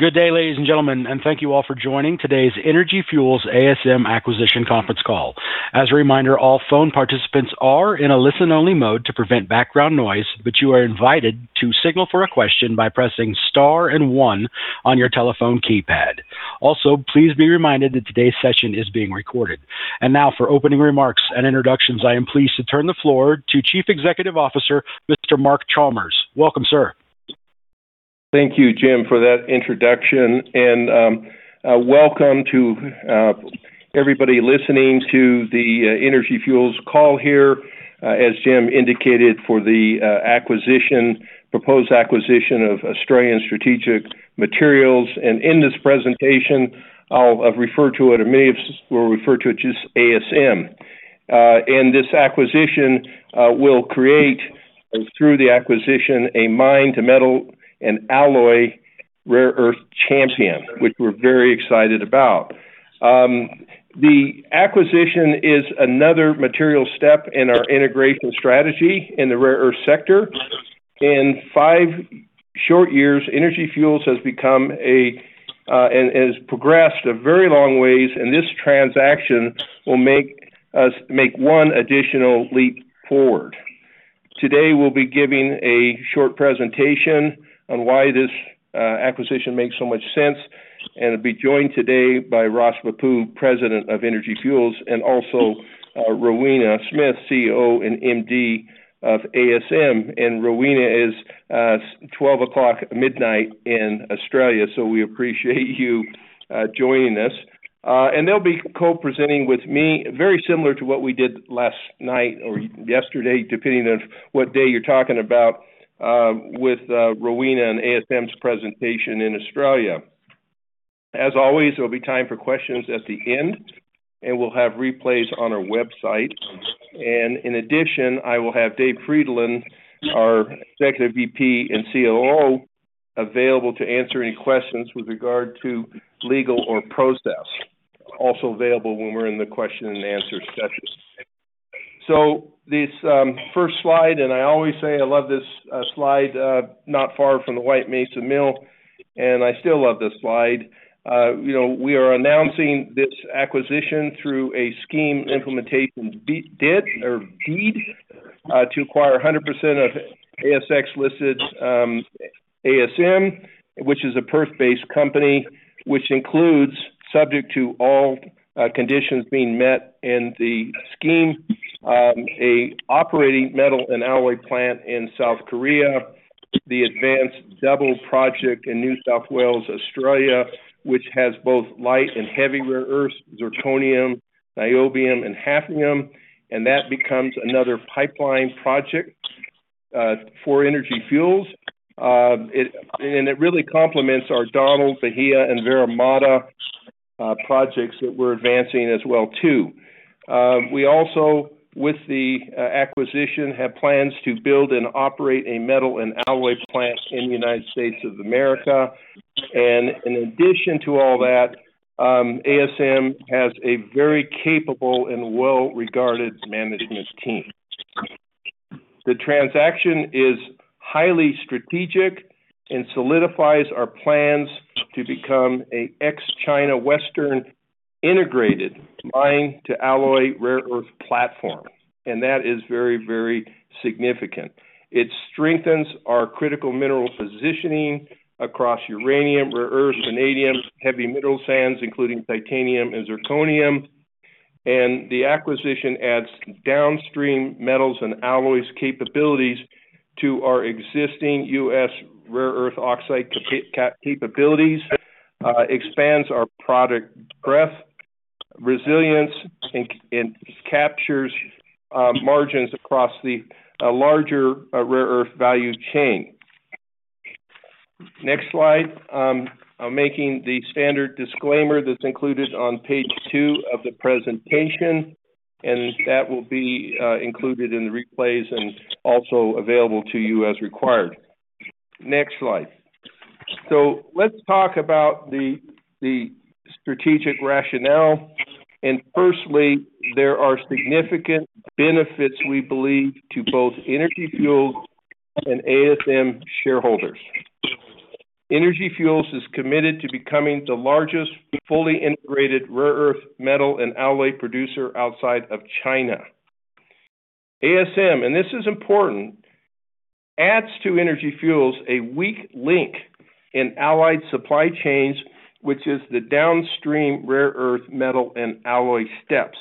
Good day, ladies and gentlemen, and thank you all for joining today's Energy Fuels ASM acquisition conference call. As a reminder, all phone participants are in a listen-only mode to prevent background noise, but you are invited to signal for a question by pressing star and one on your telephone keypad. Also, please be reminded that today's session is being recorded. And now, for opening remarks and introductions, I am pleased to turn the floor to Chief Executive Officer, Mr. Mark Chalmers. Welcome, sir. Thank you, Jim, for that introduction, and welcome to everybody listening to the Energy Fuels call here. As Jim indicated for the proposed acquisition of Australian Strategic Materials, and in this presentation, I'll refer to it, or many of us will refer to it just ASM, and this acquisition will create, through the acquisition, a mine-to-metal and alloy rare earth champion, which we're very excited about. The acquisition is another material step in our integration strategy in the rare earth sector. In five short years, Energy Fuels has progressed a very long way, and this transaction will make one additional leap forward. Today, we'll be giving a short presentation on why this acquisition makes so much sense, and I'll be joined today by Ross Bhappu, President of Energy Fuels, and also Rowena Smith, CEO and MD of ASM. Rowena is 12 o'clock midnight in Australia, so we appreciate you joining us. They'll be co-presenting with me, very similar to what we did last night or yesterday, depending on what day you're talking about, with Rowena and ASM's presentation in Australia. As always, there'll be time for questions at the end, and we'll have replays on our website. In addition, I will have Dave Frydenlund, our Executive VP and COO, available to answer any questions with regard to legal or process. Also available when we're in the Q&A session. This first slide, and I always say I love this slide, not far from the White Mesa Mill, and I still love this slide. We are announcing this acquisition through a scheme implementation deed to acquire 100% of ASX-listed ASM, which is a Perth-based company, which includes, subject to all conditions being met in the scheme, an operating metal and alloy plant in South Korea, the Dubbo Project in New South Wales, Australia, which has both light and heavy rare-earths, zirconium, niobium, and hafnium, and that becomes another pipeline project for Energy Fuels. And it really complements our Donald, Bahia, and Toliara projects that we're advancing as well, too. We also, with the acquisition, have plans to build and operate a metal and alloy plant in the United States of America, and in addition to all that, ASM has a very capable and well-regarded management team. The transaction is highly strategic and solidifies our plans to become an ex-China Western integrated mine to alloy rare earth platform. And that is very, very significant. It strengthens our critical mineral positioning across uranium, rare earth, vanadium, heavy mineral sands, including titanium and zirconium. And the acquisition adds downstream metals and alloys capabilities to our existing U.S. rare earth oxide capabilities, expands our product breadth, resilience, and captures margins across the larger rare earth value chain. Next slide. I'm making the standard disclaimer that's included on page two of the presentation, and that will be included in the replays and also available to you as required. Next slide. So let's talk about the strategic rationale. And firstly, there are significant benefits, we believe, to both Energy Fuels and ASM shareholders. Energy Fuels is committed to becoming the largest fully integrated rare earth metal and alloy producer outside of China. ASM, and this is important, adds to Energy Fuels a weak link in allied supply chains, which is the downstream rare earth metal and alloy steps.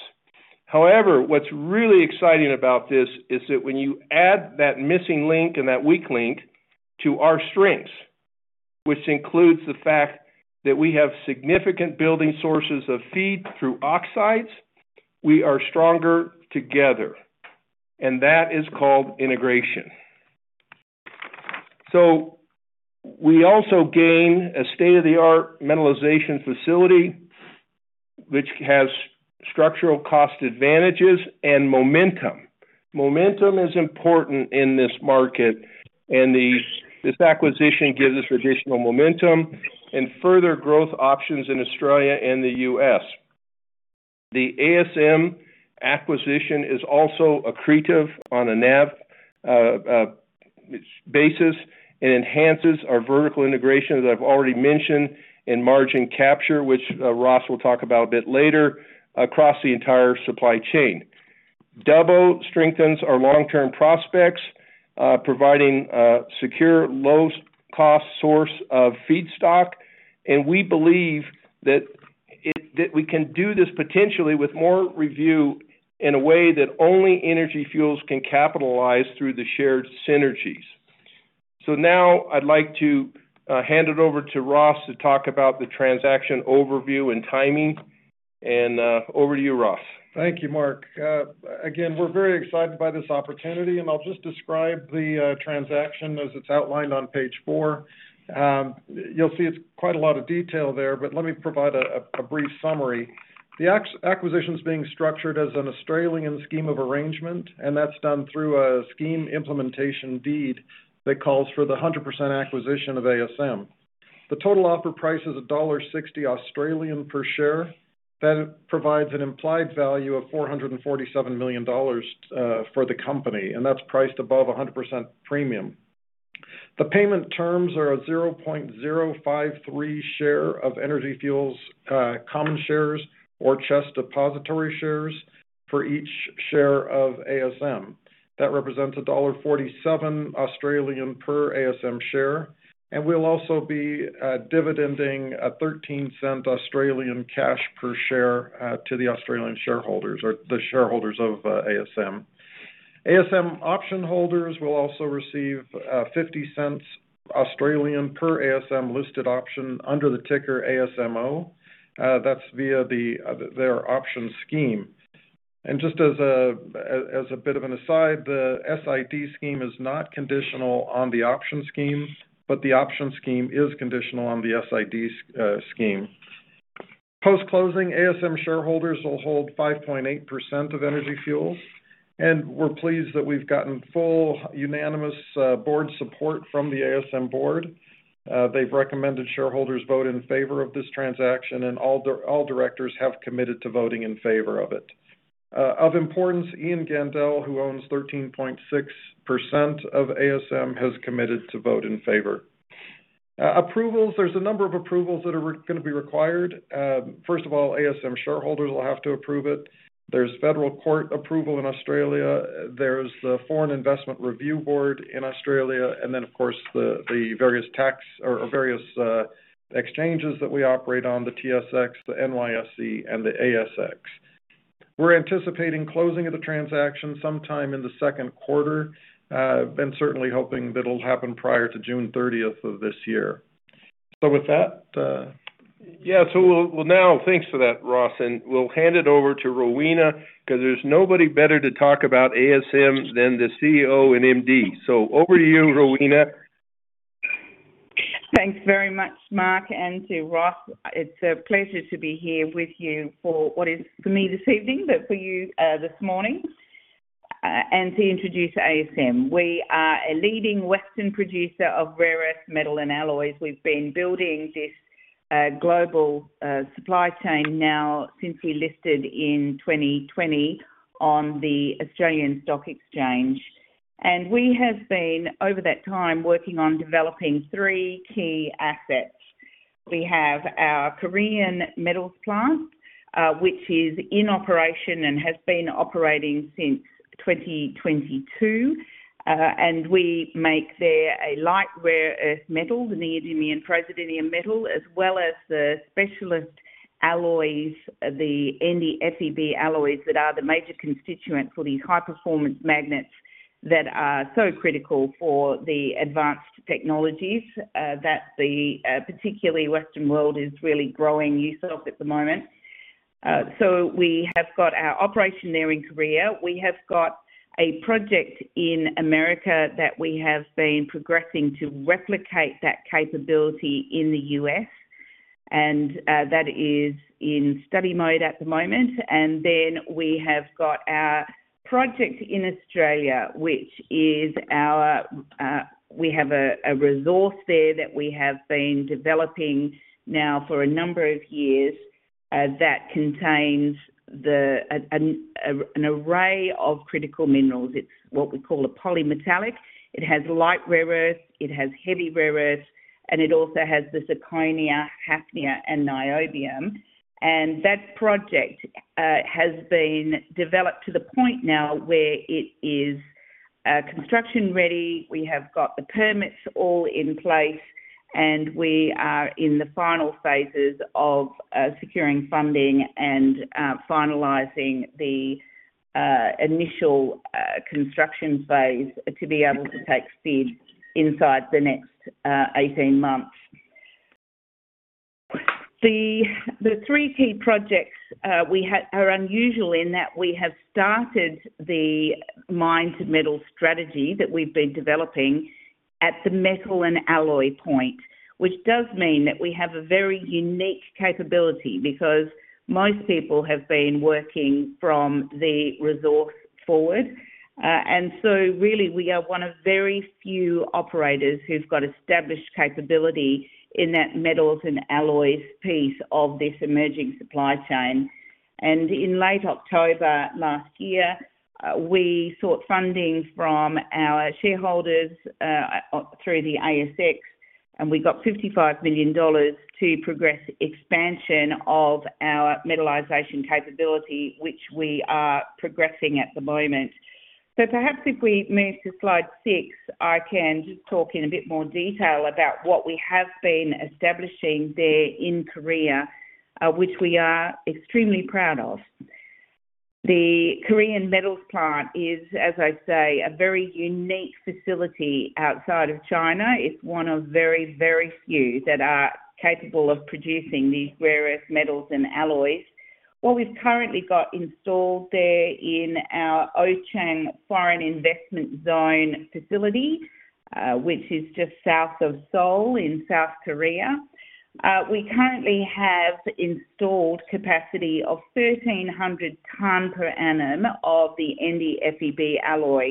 However, what's really exciting about this is that when you add that missing link and that weak link to our strengths, which includes the fact that we have significant building sources of feed through oxides, we are stronger together. And that is called integration. So we also gain a state-of-the-art metallization facility, which has structural cost advantages and momentum. Momentum is important in this market, and this acquisition gives us additional momentum and further growth options in Australia and the U.S. The ASM acquisition is also accretive on a NAV basis and enhances our vertical integration that I've already mentioned in margin capture, which Ross will talk about a bit later, across the entire supply chain. Dubbo strengthens our long-term prospects, providing a secure, low-cost source of feedstock. And we believe that we can do this potentially with more revenue in a way that only Energy Fuels can capitalize through the shared synergies. So now I'd like to hand it over to Ross to talk about the transaction overview and timing. And over to you, Ross. Thank you, Mark. Again, we're very excited by this opportunity. I'll just describe the transaction as it's outlined on page four. You'll see it's quite a lot of detail there, but let me provide a brief summary. The acquisition is being structured as an Australian scheme of arrangement, and that's done through a scheme implementation deed that calls for the 100% acquisition of ASM. The total offer price is 1.60 Australian dollars per share. That provides an implied value of 447 million dollars for the company, and that's priced above 100% premium. The payment terms are a 0.053 share of Energy Fuels common shares or CHESS Depositary Interests for each share of ASM. That represents dollar 1.47 per ASM share. We'll also be dividending 0.13 cash per share to the Australian shareholders or the shareholders of ASM. ASM option holders will also receive 0.50 per ASM listed option under the ticker ASMO. That's via their option scheme. And just as a bit of an aside, the SID scheme is not conditional on the option scheme, but the option scheme is conditional on the SID scheme. Post-closing, ASM shareholders will hold 5.8% of Energy Fuels. And we're pleased that we've gotten full unanimous board support from the ASM board. They've recommended shareholders vote in favor of this transaction, and all directors have committed to voting in favor of it. Of importance, Ian Gandel, who owns 13.6% of ASM, has committed to vote in favor. Approvals, there's a number of approvals that are going to be required. First of all, ASM shareholders will have to approve it. There's federal court approval in Australia. There's the Foreign Investment Review Board in Australia. And then, of course, the various exchanges that we operate on, the TSX, the NYSE, and the ASX. We're anticipating closing of the transaction sometime in the Q2 and certainly hoping that it'll happen prior to June 30th of this year. So with that. Yeah. So now, thanks for that, Ross. And we'll hand it over to Rowena because there's nobody better to talk about ASM than the CEO and MD. So over to you, Rowena. Thanks very much, Mark, and to Ross. It's a pleasure to be here with you for what is for me this evening, but for you this morning, and to introduce ASM. We are a leading Western producer of rare earth metal and alloys. We've been building this global supply chain now since we listed in 2020 on the Australian Stock Exchange. And we have been, over that time, working on developing three key assets. We have our Korean Metals Plant, which is in operation and has been operating since 2022. And we make there a light rare earth metal, the neodymium and praseodymium metal, as well as the specialist alloys, the NdFeB alloys that are the major constituent for these high-performance magnets that are so critical for the advanced technologies that the particularly Western world is really growing use of at the moment. So we have got our operation there in Korea. We have got a project in America that we have been progressing to replicate that capability in the US. And that is in study mode at the moment. And then we have got our project in Australia, which is. We have a resource there that we have been developing now for a number of years that contains an array of critical minerals. It's what we call a polymetallic. It has light rare earth. It has heavy rare earth. And it also has the zirconium, hafnium, and niobium. And that project has been developed to the point now where it is construction ready. We have got the permits all in place, and we are in the final phases of securing funding and finalizing the initial construction phase to be able to take FID inside the next 18 months. The three key projects are unusual in that we have started the mine to metal strategy that we've been developing at the metal and alloy point, which does mean that we have a very unique capability because most people have been working from the resource forward. And so really, we are one of very few operators who've got established capability in that metals and alloys piece of this emerging supply chain. And in late October last year, we sought funding from our shareholders through the ASX, and we got 55 million dollars to progress expansion of our metallization capability, which we are progressing at the moment. So perhaps if we move to slide six, I can talk in a bit more detail about what we have been establishing there in Korea, which we are extremely proud of. The Korean Metals Plant is, as I say, a very unique facility outside of China. It's one of very, very few that are capable of producing these rare earth metals and alloys. What we've currently got installed there in our Ochang Foreign Investment Zone facility, which is just south of Seoul in South Korea, we currently have installed capacity of 1,300 tonnes per annum of the NdFeB alloy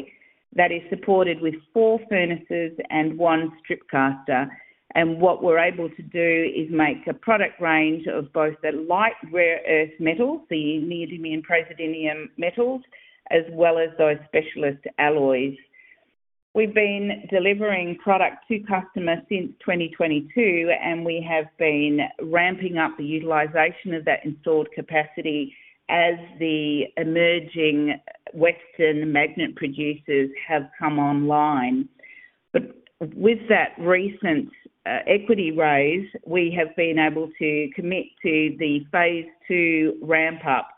that is supported with four furnaces and one strip caster, and what we're able to do is make a product range of both the light rare earth metals, the neodymium and praseodymium metals, as well as those specialist alloys. We've been delivering product to customers since 2022, and we have been ramping up the utilization of that installed capacity as the emerging Western magnet producers have come online. With that recent equity raise, we have been able to commit to the phase II ramp-up.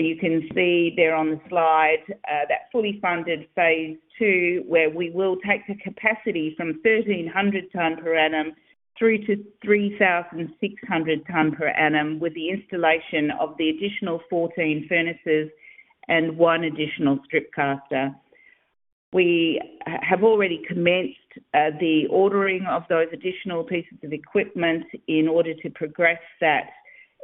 You can see there on the slide that fully funded phase II, where we will take the capacity from 1,300 tonnes per annum through to 3,600 tonnes per annum with the installation of the additional 14 furnaces and one additional strip caster. We have already commenced the ordering of those additional pieces of equipment in order to progress that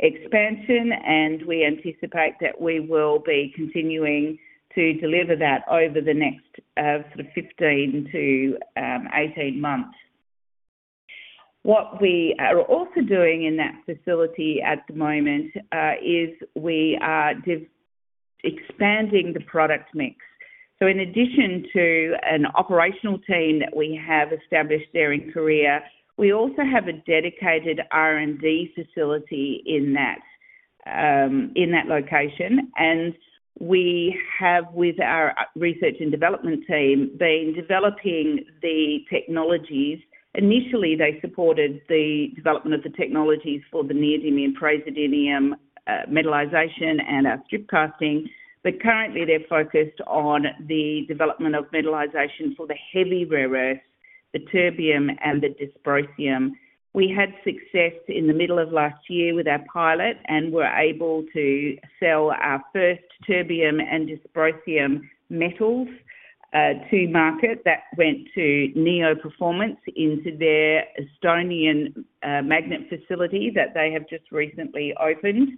expansion, and we anticipate that we will be continuing to deliver that over the next sort of 15-18 months. What we are also doing in that facility at the moment is we are expanding the product mix. In addition to an operational team that we have established there in Korea, we also have a dedicated R&D facility in that location. We have, with our research and development team, been developing the technologies. Initially, they supported the development of the technologies for the neodymium and praseodymium metallization and our strip casting, but currently, they're focused on the development of metallization for the heavy rare earth, the terbium, and the dysprosium. We had success in the middle of last year with our pilot and were able to sell our first terbium and dysprosium metals to market that went to Neo Performance into their Estonian magnet facility that they have just recently opened.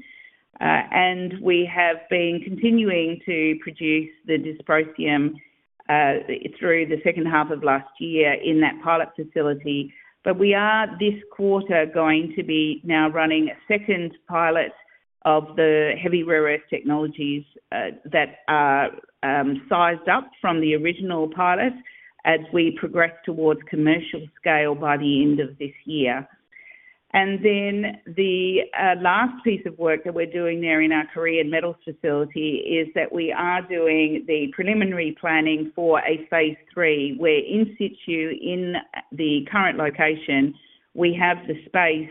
We have been continuing to produce the dysprosium through the second half of last year in that pilot facility. We are this quarter going to be now running a second pilot of the heavy rare earth technologies that are sized up from the original pilot as we progress towards commercial scale by the end of this year. And then the last piece of work that we're doing there in our Korean metals facility is that we are doing the preliminary planning for a phase III where in situ, in the current location, we have the space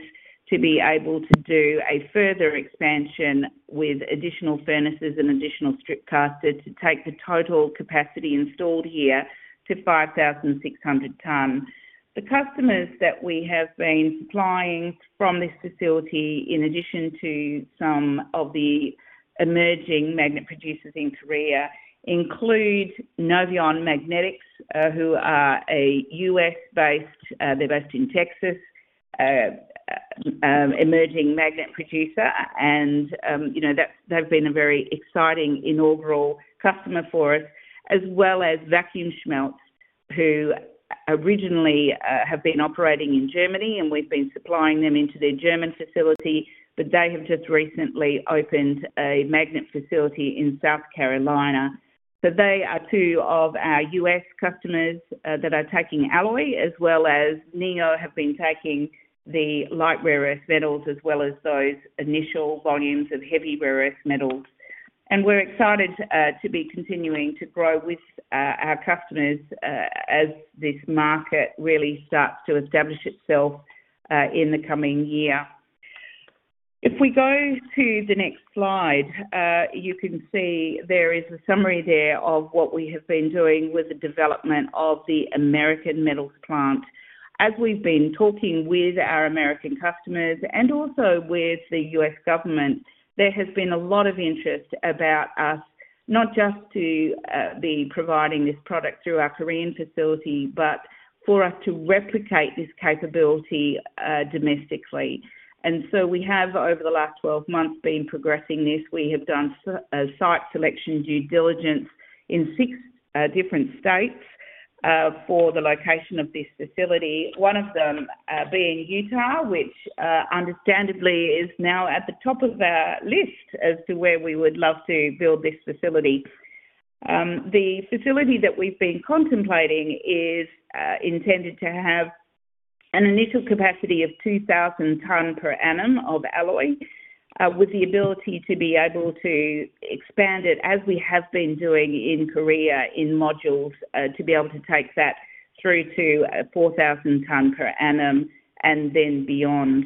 to be able to do a further expansion with additional furnaces and additional strip caster to take the total capacity installed here to 5,600 tonnes. The customers that we have been supplying from this facility, in addition to some of the emerging magnet producers in Korea, include Noveon Magnetics, who are a U.S.-based (they're based in Texas) emerging magnet producer. And they've been a very exciting inaugural customer for us, as well as Vacuumschmelze, who originally have been operating in Germany, and we've been supplying them into their German facility. But they have just recently opened a magnet facility in South Carolina. So they are two of our U.S. customers that are taking alloy, as well as Neo have been taking the light rare earth metals as well as those initial volumes of heavy rare earth metals. And we're excited to be continuing to grow with our customers as this market really starts to establish itself in the coming year. If we go to the next slide, you can see there is a summary there of what we have been doing with the development of the American Metals Plant. As we've been talking with our American customers and also with the U.S. government, there has been a lot of interest about us, not just to be providing this product through our Korean facility, but for us to replicate this capability domestically. And so we have, over the last 12 months, been progressing this. We have done site selection due diligence in six different states for the location of this facility, one of them being Utah, which understandably is now at the top of our list as to where we would love to build this facility. The facility that we've been contemplating is intended to have an initial capacity of 2,000 tonnes per annum of alloy, with the ability to be able to expand it, as we have been doing in Korea, in modules to be able to take that through to 4,000 tonnes per annum and then beyond.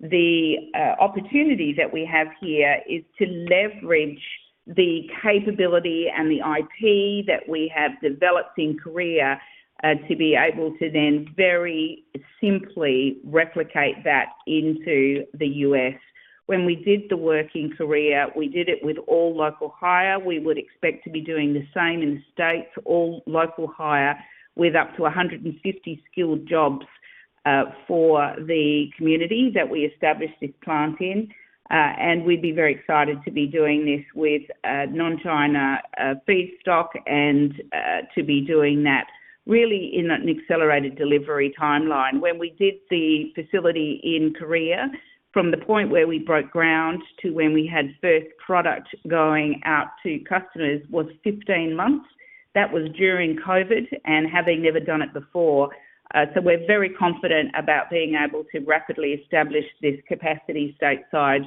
The opportunity that we have here is to leverage the capability and the IP that we have developed in Korea to be able to then very simply replicate that into the US. When we did the work in Korea, we did it with all local hire. We would expect to be doing the same in the states, all local hire with up to 150 skilled jobs for the community that we established this plant in, and we'd be very excited to be doing this with non-China feedstock and to be doing that really in an accelerated delivery timeline. When we did the facility in Korea, from the point where we broke ground to when we had first product going out to customers was 15 months. That was during COVID and having never done it before, so we're very confident about being able to rapidly establish this capacity stateside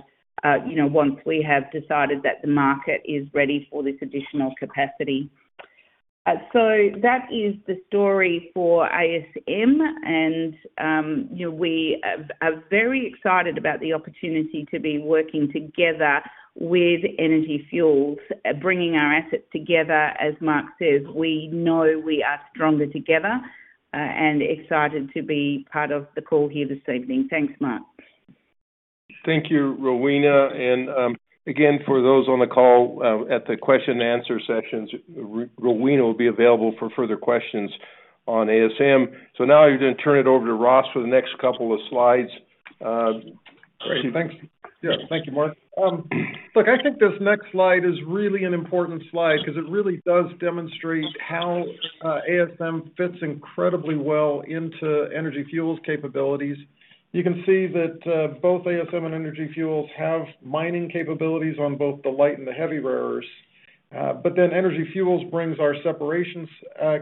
once we have decided that the market is ready for this additional capacity, so that is the story for ASM, and we are very excited about the opportunity to be working together with Energy Fuels, bringing our assets together. As Mark says, we know we are stronger together and excited to be part of the call here this evening. Thanks, Mark. Thank you, Rowena. And again, for those on the call at the Q&A sessions, Rowena will be available for further questions on ASM. So now I'm going to turn it over to Ross for the next couple of slides. Great. Thanks. Yeah. Thank you, Mark. Look, I think this next slide is really an important slide because it really does demonstrate how ASM fits incredibly well into Energy Fuels' capabilities. You can see that both ASM and Energy Fuels have mining capabilities on both the light and the heavy rares. But then Energy Fuels brings our separations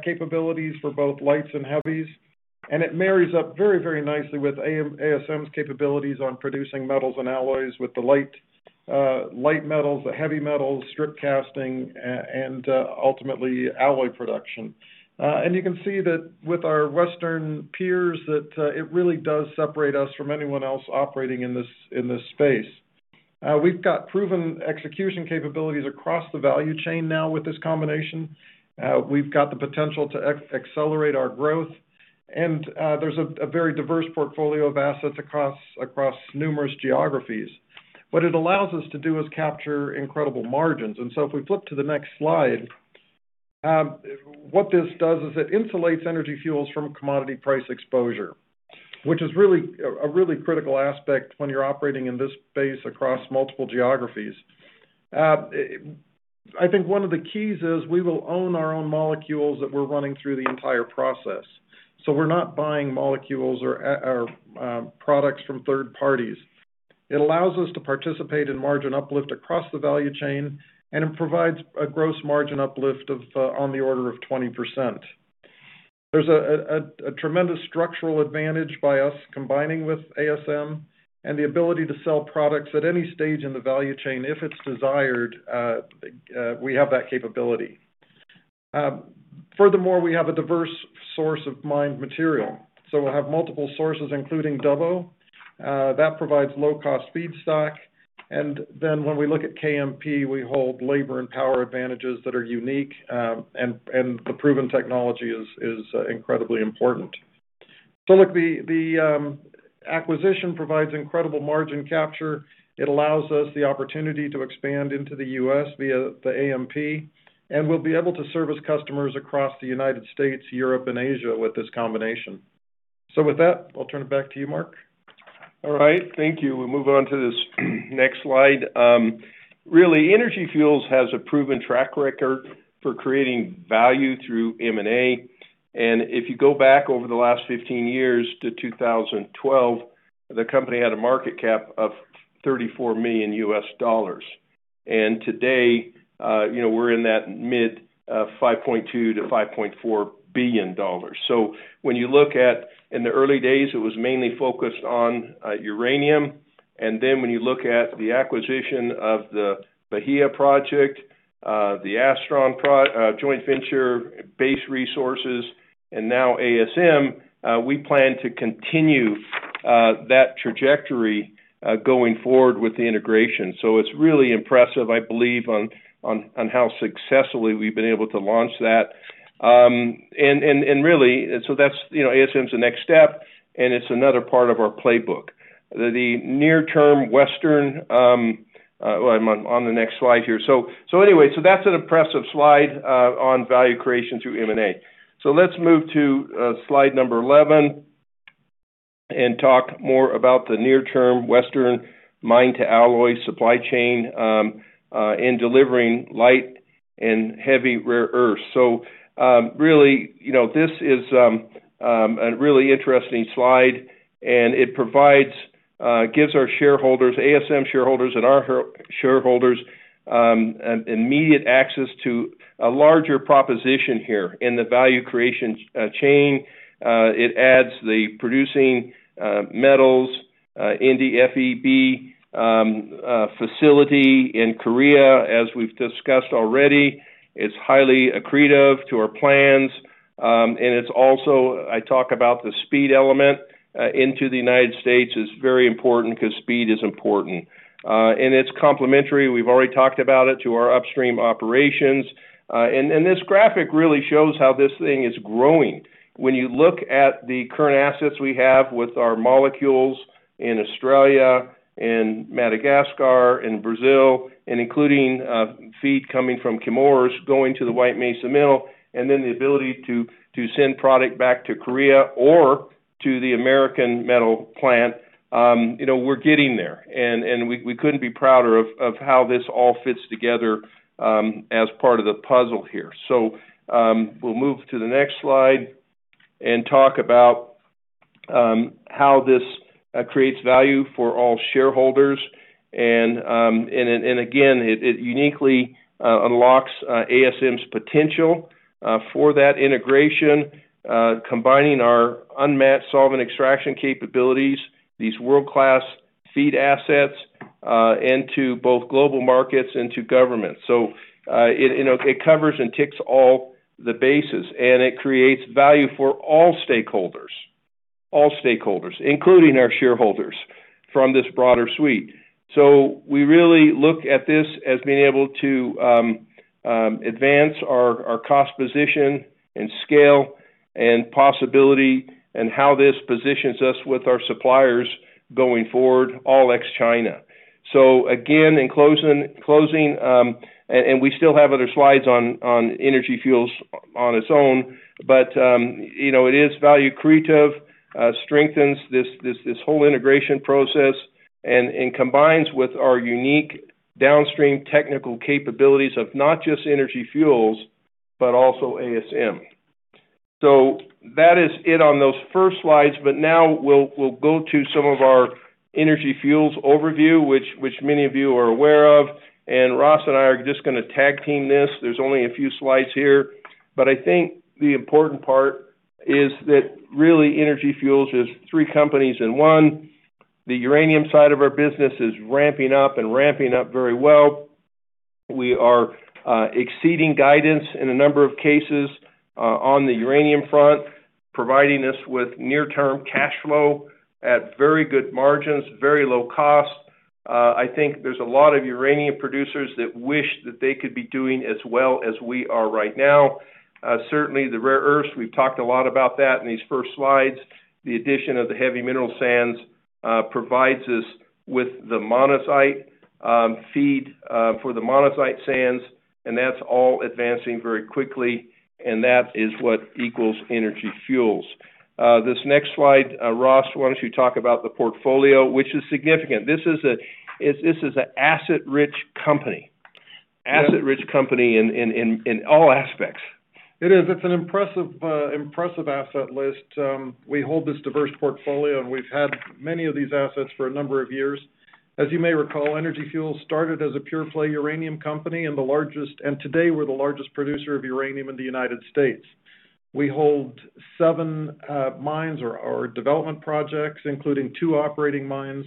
capabilities for both lights and heavies, and it marries up very, very nicely with ASM's capabilities on producing metals and alloys with the light metals, the heavy metals, strip casting, and ultimately alloy production. You can see that with our Western peers that it really does separate us from anyone else operating in this space. We've got proven execution capabilities across the value chain now with this combination. We've got the potential to accelerate our growth, and there's a very diverse portfolio of assets across numerous geographies. What it allows us to do is capture incredible margins, and so if we flip to the next slide, what this does is it insulates Energy Fuels from commodity price exposure, which is a really critical aspect when you're operating in this space across multiple geographies. I think one of the keys is we will own our own molecules that we're running through the entire process, so we're not buying molecules or products from third parties. It allows us to participate in margin uplift across the value chain, and it provides a gross margin uplift of on the order of 20%. There's a tremendous structural advantage by us combining with ASM and the ability to sell products at any stage in the value chain if it's desired. We have that capability. Furthermore, we have a diverse source of mined material, so we'll have multiple sources, including Dubbo. That provides low-cost feedstock. And then when we look at KMP, we hold labor and power advantages that are unique, and the proven technology is incredibly important. So look, the acquisition provides incredible margin capture. It allows us the opportunity to expand into the U.S. via the AMP, and we'll be able to service customers across the United States, Europe, and Asia with this combination. So with that, I'll turn it back to you, Mark. All right. Thank you. We'll move on to this next slide. Really, Energy Fuels has a proven track record for creating value through M&A. And if you go back over the last 15 years to 2012, the company had a market cap of $34 million. And today, we're in that mid-$5.2-$5.4 billion. So when you look at in the early days, it was mainly focused on uranium. And then when you look at the acquisition of the Bahia Project, the Astron joint venture, Base Resources, and now ASM, we plan to continue that trajectory going forward with the integration. So it's really impressive, I believe, on how successfully we've been able to launch that. And really, so that's ASM's next step, and it's another part of our playbook. The near-term Western world, I'm on the next slide here. So anyway, that's an impressive slide on value creation through M&A. Let's move to slide number 11 and talk more about the near-term Western mine-to-alloy supply chain in delivering light and heavy rare earth. Really, this is a really interesting slide, and it gives our shareholders, ASM shareholders and our shareholders, immediate access to a larger proposition here in the value creation chain. It adds the producing metals, NdFeB facility in Korea, as we've discussed already. It's highly accretive to our plans. And it's also. I talk about the speed element into the United States is very important because speed is important. And it's complementary. We've already talked about it to our upstream operations. And this graphic really shows how this thing is growing. When you look at the current assets we have with our molecules in Australia and Madagascar and Brazil, and including feed coming from Chemours going to the White Mesa Mill, and then the ability to send product back to Korea or to the American Metals Plant, we're getting there. And we couldn't be prouder of how this all fits together as part of the puzzle here. So we'll move to the next slide and talk about how this creates value for all shareholders. And again, it uniquely unlocks ASM's potential for that integration, combining our unmatched solvent extraction capabilities, these world-class feed assets into both global markets and to governments. So it covers and ticks all the bases, and it creates value for all stakeholders, all stakeholders, including our shareholders from this broader suite. So we really look at this as being able to advance our cost position and scale and possibility and how this positions us with our suppliers going forward, all ex-China. So again, in closing, and we still have other slides on Energy Fuels on its own, but it is value accretive, strengthens this whole integration process, and combines with our unique downstream technical capabilities of not just Energy Fuels, but also ASM. So that is it on those first slides. But now we'll go to some of our Energy Fuels overview, which many of you are aware of. And Ross and I are just going to tag team this. There's only a few slides here. But I think the important part is that really Energy Fuels is three companies in one. The uranium side of our business is ramping up and ramping up very well. We are exceeding guidance in a number of cases on the uranium front, providing us with near-term cash flow at very good margins, very low cost. I think there's a lot of uranium producers that wish that they could be doing as well as we are right now. Certainly, the rare earths, we've talked a lot about that in these first slides. The addition of the heavy mineral sands provides us with the monazite feed for the monazite sands, and that's all advancing very quickly, and that is what equals Energy Fuels. This next slide, Ross, why don't you talk about the portfolio, which is significant. This is an asset-rich company, asset-rich company in all aspects. It is. It's an impressive asset list. We hold this diverse portfolio, and we've had many of these assets for a number of years. As you may recall, Energy Fuels started as a pure-play uranium company and today we're the largest producer of uranium in the United States. We hold seven mines or development projects, including two operating mines,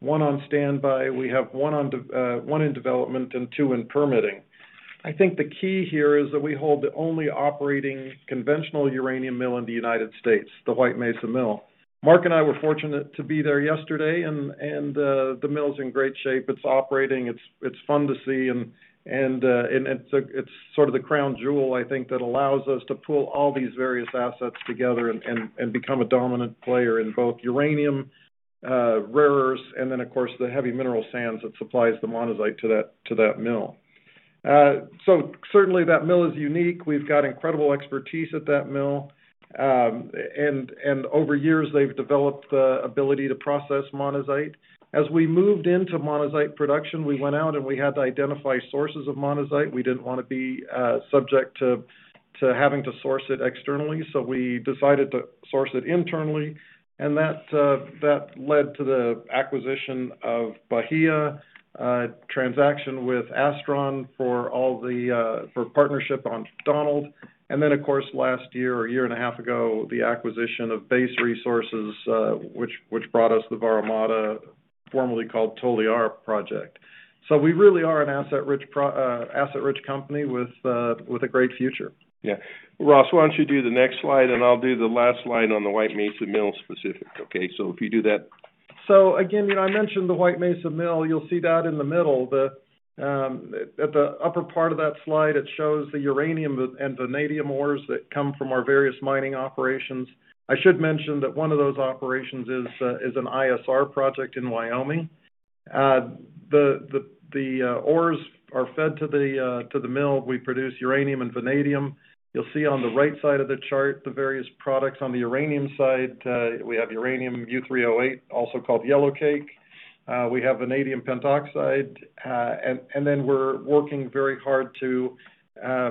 one on standby. We have one in development and two in permitting. I think the key here is that we hold the only operating conventional uranium mill in the United States, the White Mesa Mill. Mark and I were fortunate to be there yesterday, and the mill's in great shape. It's operating. It's fun to see. It's sort of the crown jewel, I think, that allows us to pull all these various assets together and become a dominant player in both uranium, rare earths and then, of course, the heavy mineral sands that supplies the monazite to that mill. Certainly, that mill is unique. We've got incredible expertise at that mill. Over years, they've developed the ability to process monazite. As we moved into monazite production, we went out and we had to identify sources of monazite. We didn't want to be subject to having to source it externally. We decided to source it internally. That led to the acquisition of Bahia, transaction with Astron for partnership on Donald. Of course, last year or a year and a half ago, the acquisition of Base Resources, which brought us the Toliara, formerly called Toliara project. So we really are an asset-rich company with a great future. Yeah. Ross, why don't you do the next slide, and I'll do the last slide on the White Mesa Mill specific, okay? So if you do that. So again, I mentioned the White Mesa Mill. You'll see that in the middle. At the upper part of that slide, it shows the uranium and vanadium ores that come from our various mining operations. I should mention that one of those operations is an ISR project in Wyoming. The ores are fed to the mill. We produce uranium and vanadium. You'll see on the right side of the chart the various products. On the uranium side, we have uranium U₃O₈, also called yellowcake. We have vanadium pentoxide. And then we're working very hard to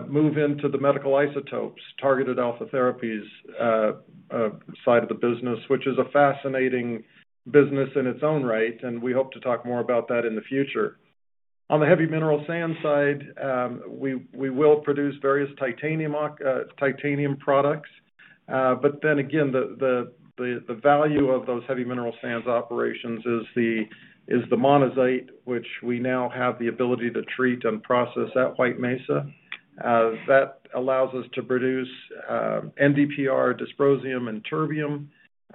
move into the medical isotopes, targeted alpha therapies side of the business, which is a fascinating business in its own right. And we hope to talk more about that in the future. On the heavy mineral sands side, we will produce various titanium products. But then again, the value of those heavy mineral sands operations is the monazite, which we now have the ability to treat and process at White Mesa. That allows us to produce NdPr, dysprosium, and terbium,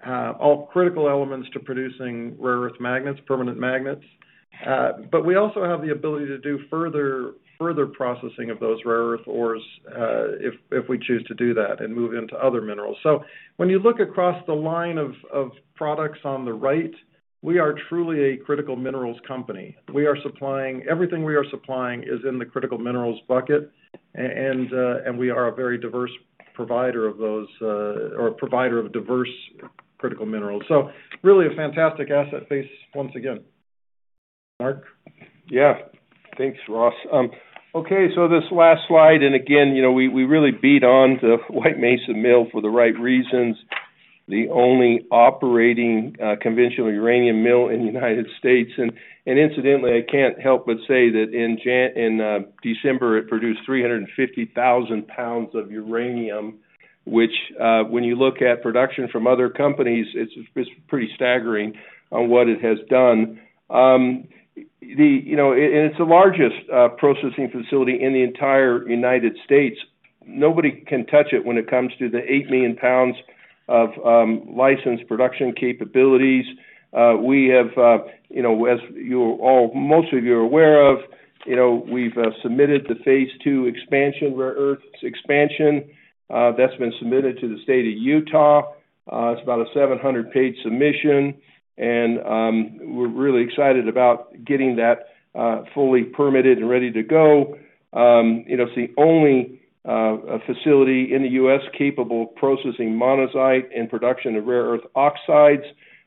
all critical elements to producing rare earth magnets, permanent magnets. But we also have the ability to do further processing of those rare earth ores if we choose to do that and move into other minerals. So when you look across the line of products on the right, we are truly a critical minerals company. Everything we are supplying is in the critical minerals bucket, and we are a very diverse provider of those or a provider of diverse critical minerals. So really a fantastic asset base once again. Mark? Yeah. Thanks, Ross. Okay. So this last slide, and again, we really beat on to White Mesa Mill for the right reasons. The only operating conventional uranium mill in the United States, and incidentally, I can't help but say that in December, it produced 350,000 pounds of uranium, which when you look at production from other companies, it's pretty staggering on what it has done. And it's the largest processing facility in the entire United States. Nobody can touch it when it comes to the 8 million pounds of licensed production capabilities. We have, as most of you are aware of, we've submitted the phase II expansion, rare-earths expansion. That's been submitted to the state of Utah. It's about a 700-page submission. And we're really excited about getting that fully permitted and ready to go. It's the only facility in the U.S. capable of processing monazite and production of rare earth oxides.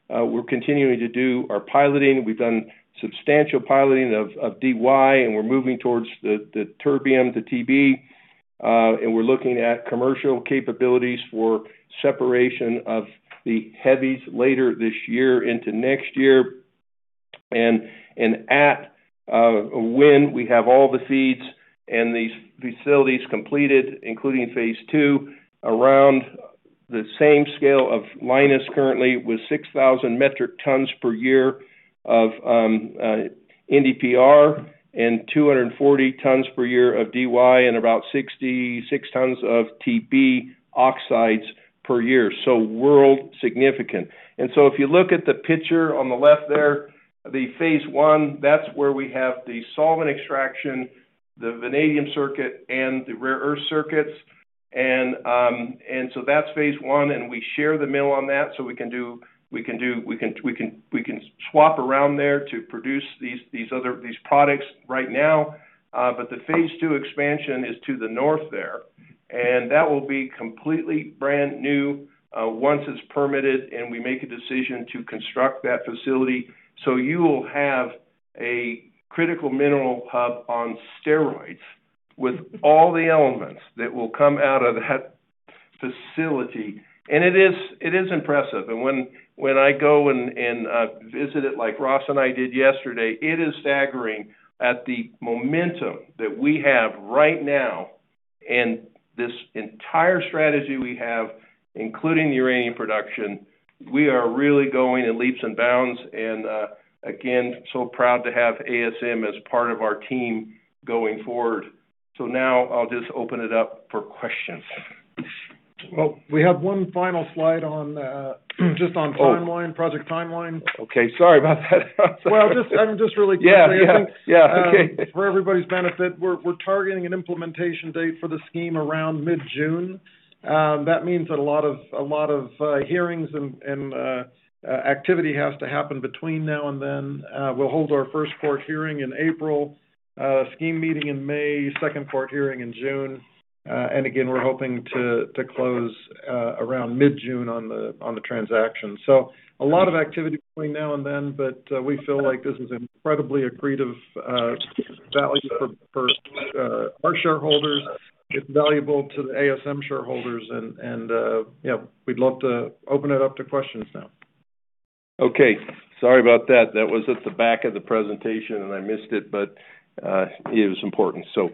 We're continuing to do our piloting. We've done substantial piloting of Dy, and we're moving towards the terbium, the Tb. And we're looking at commercial capabilities for separation of the heavies later this year into next year. And at when we have all the feeds and these facilities completed, including phase II, around the same scale of Lynas currently with 6,000 metric tons per year of NdPr and 240 tons per year of Dy and about 66 tons of Tb oxides per year. So world significant. And so if you look at the picture on the left there, the phase I, that's where we have the solvent extraction, the vanadium circuit, and the rare earth circuits. And so that's phase I, and we share the mill on that. So we can do we can swap around there to produce these products right now. But the phase II expansion is to the north there. And that will be completely brand new once it's permitted and we make a decision to construct that facility. So you will have a critical mineral hub on steroids with all the elements that will come out of that facility. And it is impressive. And when I go and visit it, like Ross and I did yesterday, it is staggering at the momentum that we have right now and this entire strategy we have, including the uranium production. We are really going in leaps and bounds. And again, so proud to have ASM as part of our team going forward. So now I'll just open it up for questions. We have one final slide just on timeline, project timeline. Okay. Sorry about that. I'm just really quickly. Yeah. Okay. For everybody's benefit, we're targeting an implementation date for the scheme around mid-June. That means that a lot of hearings and activity has to happen between now and then. We'll hold our first court hearing in April, scheme meeting in May, second court hearing in June. And again, we're hoping to close around mid-June on the transaction. So a lot of activity between now and then, but we feel like this is an incredibly accretive value for our shareholders. It's valuable to the ASM shareholders. And yeah, we'd love to open it up to questions now. Okay. Sorry about that. That was at the back of the presentation, and I missed it, but it was important. So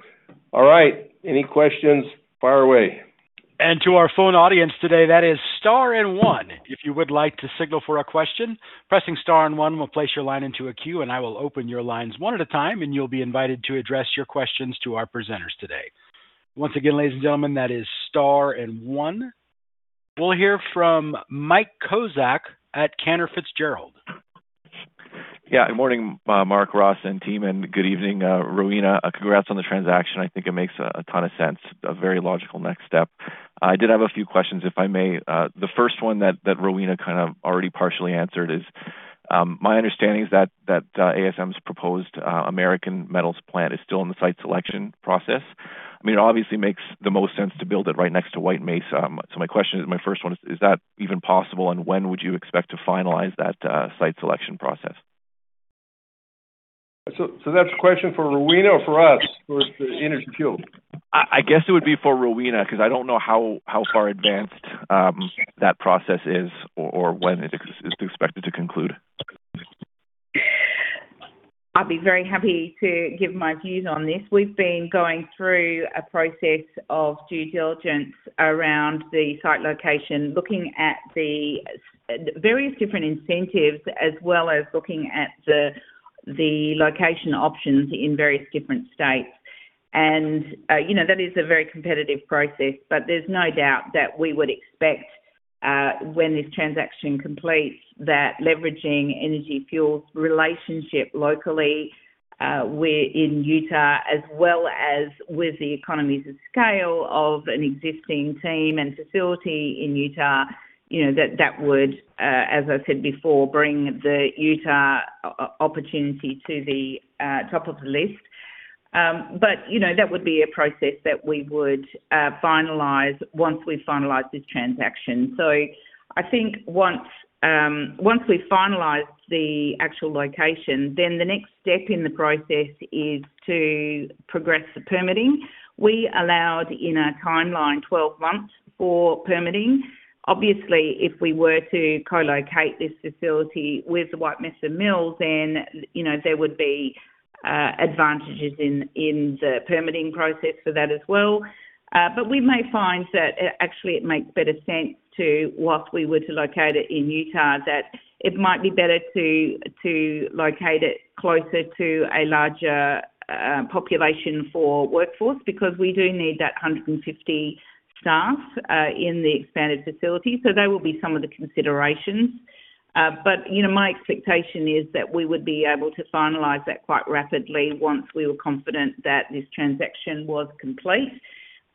all right. Any questions? Fire away. To our phone audience today, that is star and one. If you would like to signal for a question, pressing star and one will place your line into a queue, and I will open your lines one at a time, and you'll be invited to address your questions to our presenters today. Once again, ladies and gentlemen, that is star and one. We'll hear from Mike Kozak at Cantor Fitzgerald. Yeah. Good morning, Mark, Ross, and team. And good evening, Rowena. Congrats on the transaction. I think it makes a ton of sense, a very logical next step. I did have a few questions, if I may. The first one that Rowena kind of already partially answered is my understanding is that ASM's proposed American Metals Plant is still in the site selection process. I mean, it obviously makes the most sense to build it right next to White Mesa. So my question, my first one is, is that even possible, and when would you expect to finalize that site selection process? So that's a question for Rowena or for us, for Energy Fuels? I guess it would be for Rowena because I don't know how far advanced that process is or when it's expected to conclude. I'll be very happy to give my views on this. We've been going through a process of due diligence around the site location, looking at the various different incentives as well as looking at the location options in various different states. And that is a very competitive process, but there's no doubt that we would expect when this transaction completes that leveraging Energy Fuels' relationship locally in Utah, as well as with the economies of scale of an existing team and facility in Utah, that that would, as I said before, bring the Utah opportunity to the top of the list. But that would be a process that we would finalize once we finalize this transaction. So I think once we finalize the actual location, then the next step in the process is to progress the permitting. We allowed in our timeline 12 months for permitting. Obviously, if we were to co-locate this facility with the White Mesa Mill, then there would be advantages in the permitting process for that as well. But we may find that actually it makes better sense to, whilst we were to locate it in Utah, that it might be better to locate it closer to a larger population for workforce because we do need that 150 staff in the expanded facility. So that will be some of the considerations. But my expectation is that we would be able to finalize that quite rapidly once we were confident that this transaction was complete.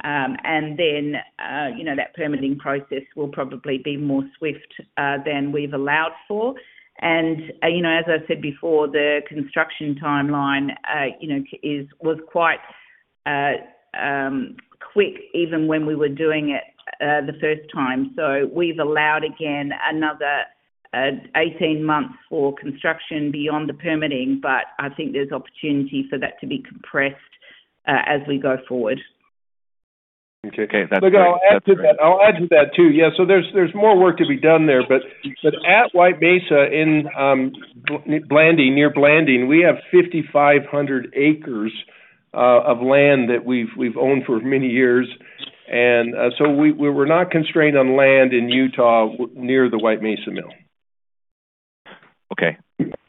And then that permitting process will probably be more swift than we've allowed for. And as I said before, the construction timeline was quite quick even when we were doing it the first time. So we've allowed again another 18 months for construction beyond the permitting, but I think there's opportunity for that to be compressed as we go forward. Okay. That's good. I'll add to that too. Yeah. So there's more work to be done there. But at White Mesa in Blanding, near Blanding, we have 5,500 acres of land that we've owned for many years. And so we're not constrained on land in Utah near the White Mesa Mill. Okay.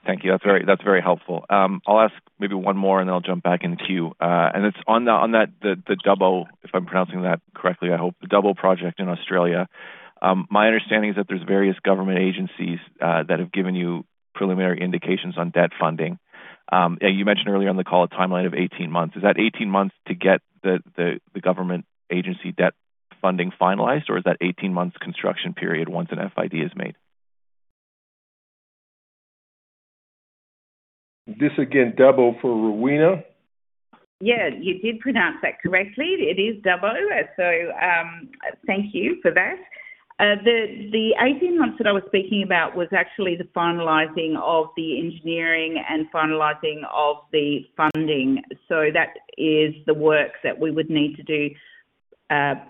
Thank you. That's very helpful. I'll ask maybe one more, and then I'll jump back in too. And it's on the Dubbo, if I'm pronouncing that correctly, I hope, the Dubbo Project in Australia. My understanding is that there's various government agencies that have given you preliminary indications on debt funding. And you mentioned earlier on the call a timeline of 18 months. Is that 18 months to get the government agency debt funding finalized, or is that 18 months construction period once an FID is made? This again, Dubbo for Rowena? Yeah. You did pronounce that correctly. It is Dubbo. So thank you for that. The 18 months that I was speaking about was actually the finalizing of the engineering and finalizing of the funding. So that is the work that we would need to do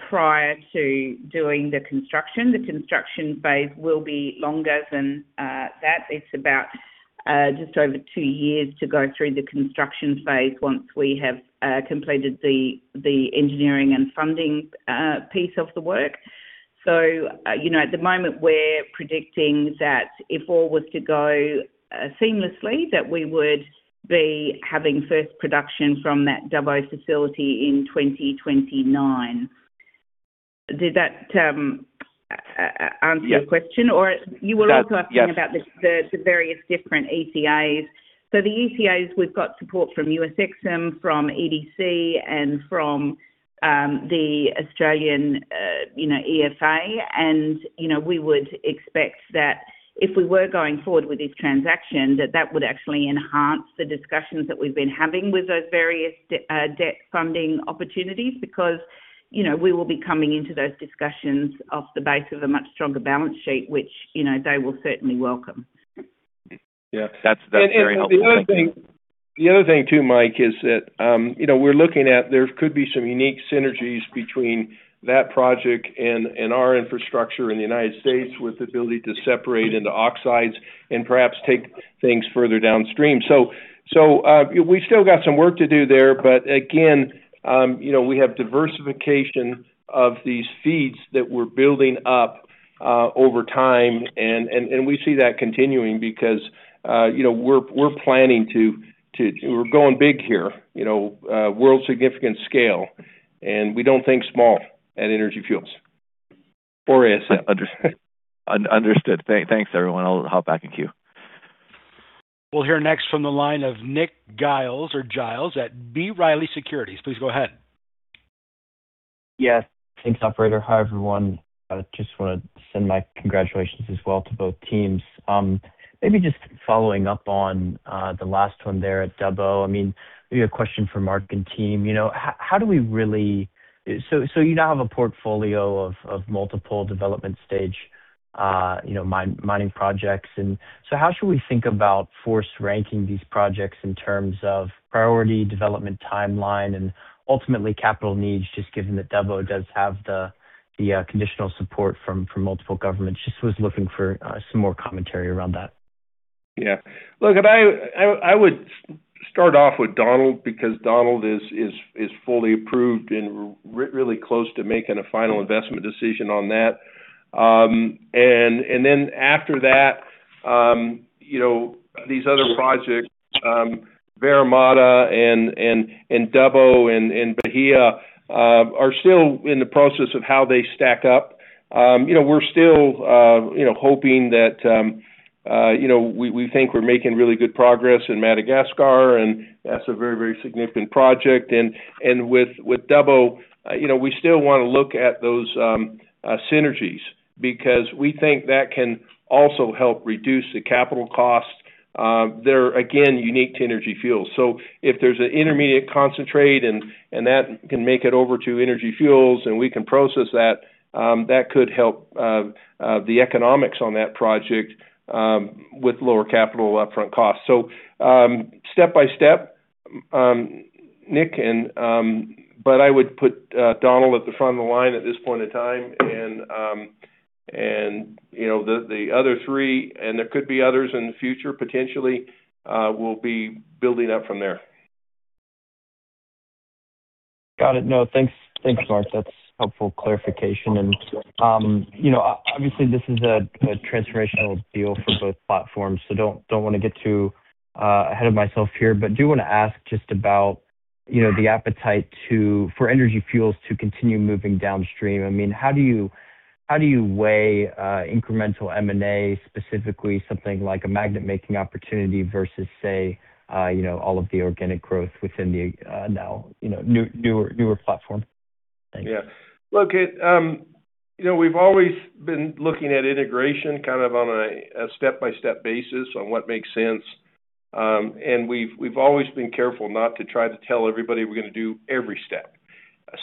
prior to doing the construction. The construction phase will be longer than that. It's about just over two years to go through the construction phase once we have completed the engineering and funding piece of the work. So at the moment, we're predicting that if all was to go seamlessly, that we would be having first production from that Dubbo facility in 2029. Did that answer your question? Or you were also asking about the various different ECAs. So the ECAs, we've got support from US EXIM, from EDC, and from the Australian EFA. We would expect that if we were going forward with this transaction, that that would actually enhance the discussions that we've been having with those various debt funding opportunities because we will be coming into those discussions off the base of a much stronger balance sheet, which they will certainly welcome. Yeah. That's very helpful. And the other thing too, Mike, is that we're looking at there could be some unique synergies between that project and our infrastructure in the United States with the ability to separate into oxides and perhaps take things further downstream. So we've still got some work to do there. But again, we have diversification of these feeds that we're building up over time. And we see that continuing because we're planning to go big here, world significant scale. And we don't think small at Energy Fuels or ASM. Understood. Thanks, everyone. I'll hop back in queue. We'll hear next from the line of Nick Giles of B. Riley Securities. Please go ahead. Yes. Thanks, operator. Hi, everyone. Just want to send my congratulations as well to both teams. Maybe just following up on the last one there at Dubbo. I mean, maybe a question for Mark and team. How do we really so you now have a portfolio of multiple development stage mining projects. And so how should we think about force ranking these projects in terms of priority development timeline and ultimately capital needs, just given that Dubbo does have the conditional support from multiple governments? Just was looking for some more commentary around that. Yeah. Look, I would start off with Donald because Donald is fully approved and really close to making a final investment decision on that. And then after that, these other projects, Toliara and Dubbo and Bahia are still in the process of how they stack up. We're still hoping that we think we're making really good progress in Madagascar, and that's a very, very significant project. And with Dubbo, we still want to look at those synergies because we think that can also help reduce the capital cost. They're, again, unique to Energy Fuels. So if there's an intermediate concentrate and that can make it over to Energy Fuels and we can process that, that could help the economics on that project with lower capital upfront costs. So step by step, Nick, but I would put Donald at the front of the line at this point in time. The other three, and there could be others in the future potentially, will be building up from there. Got it. No, thanks, Mark. That's helpful clarification. And obviously, this is a transformational deal for both platforms. So don't want to get too ahead of myself here, but do want to ask just about the appetite for Energy Fuels to continue moving downstream. I mean, how do you weigh incremental M&A, specifically something like a magnet-making opportunity versus, say, all of the organic growth within the now newer platform? Yeah. Look, we've always been looking at integration kind of on a step-by-step basis on what makes sense, and we've always been careful not to try to tell everybody we're going to do every step.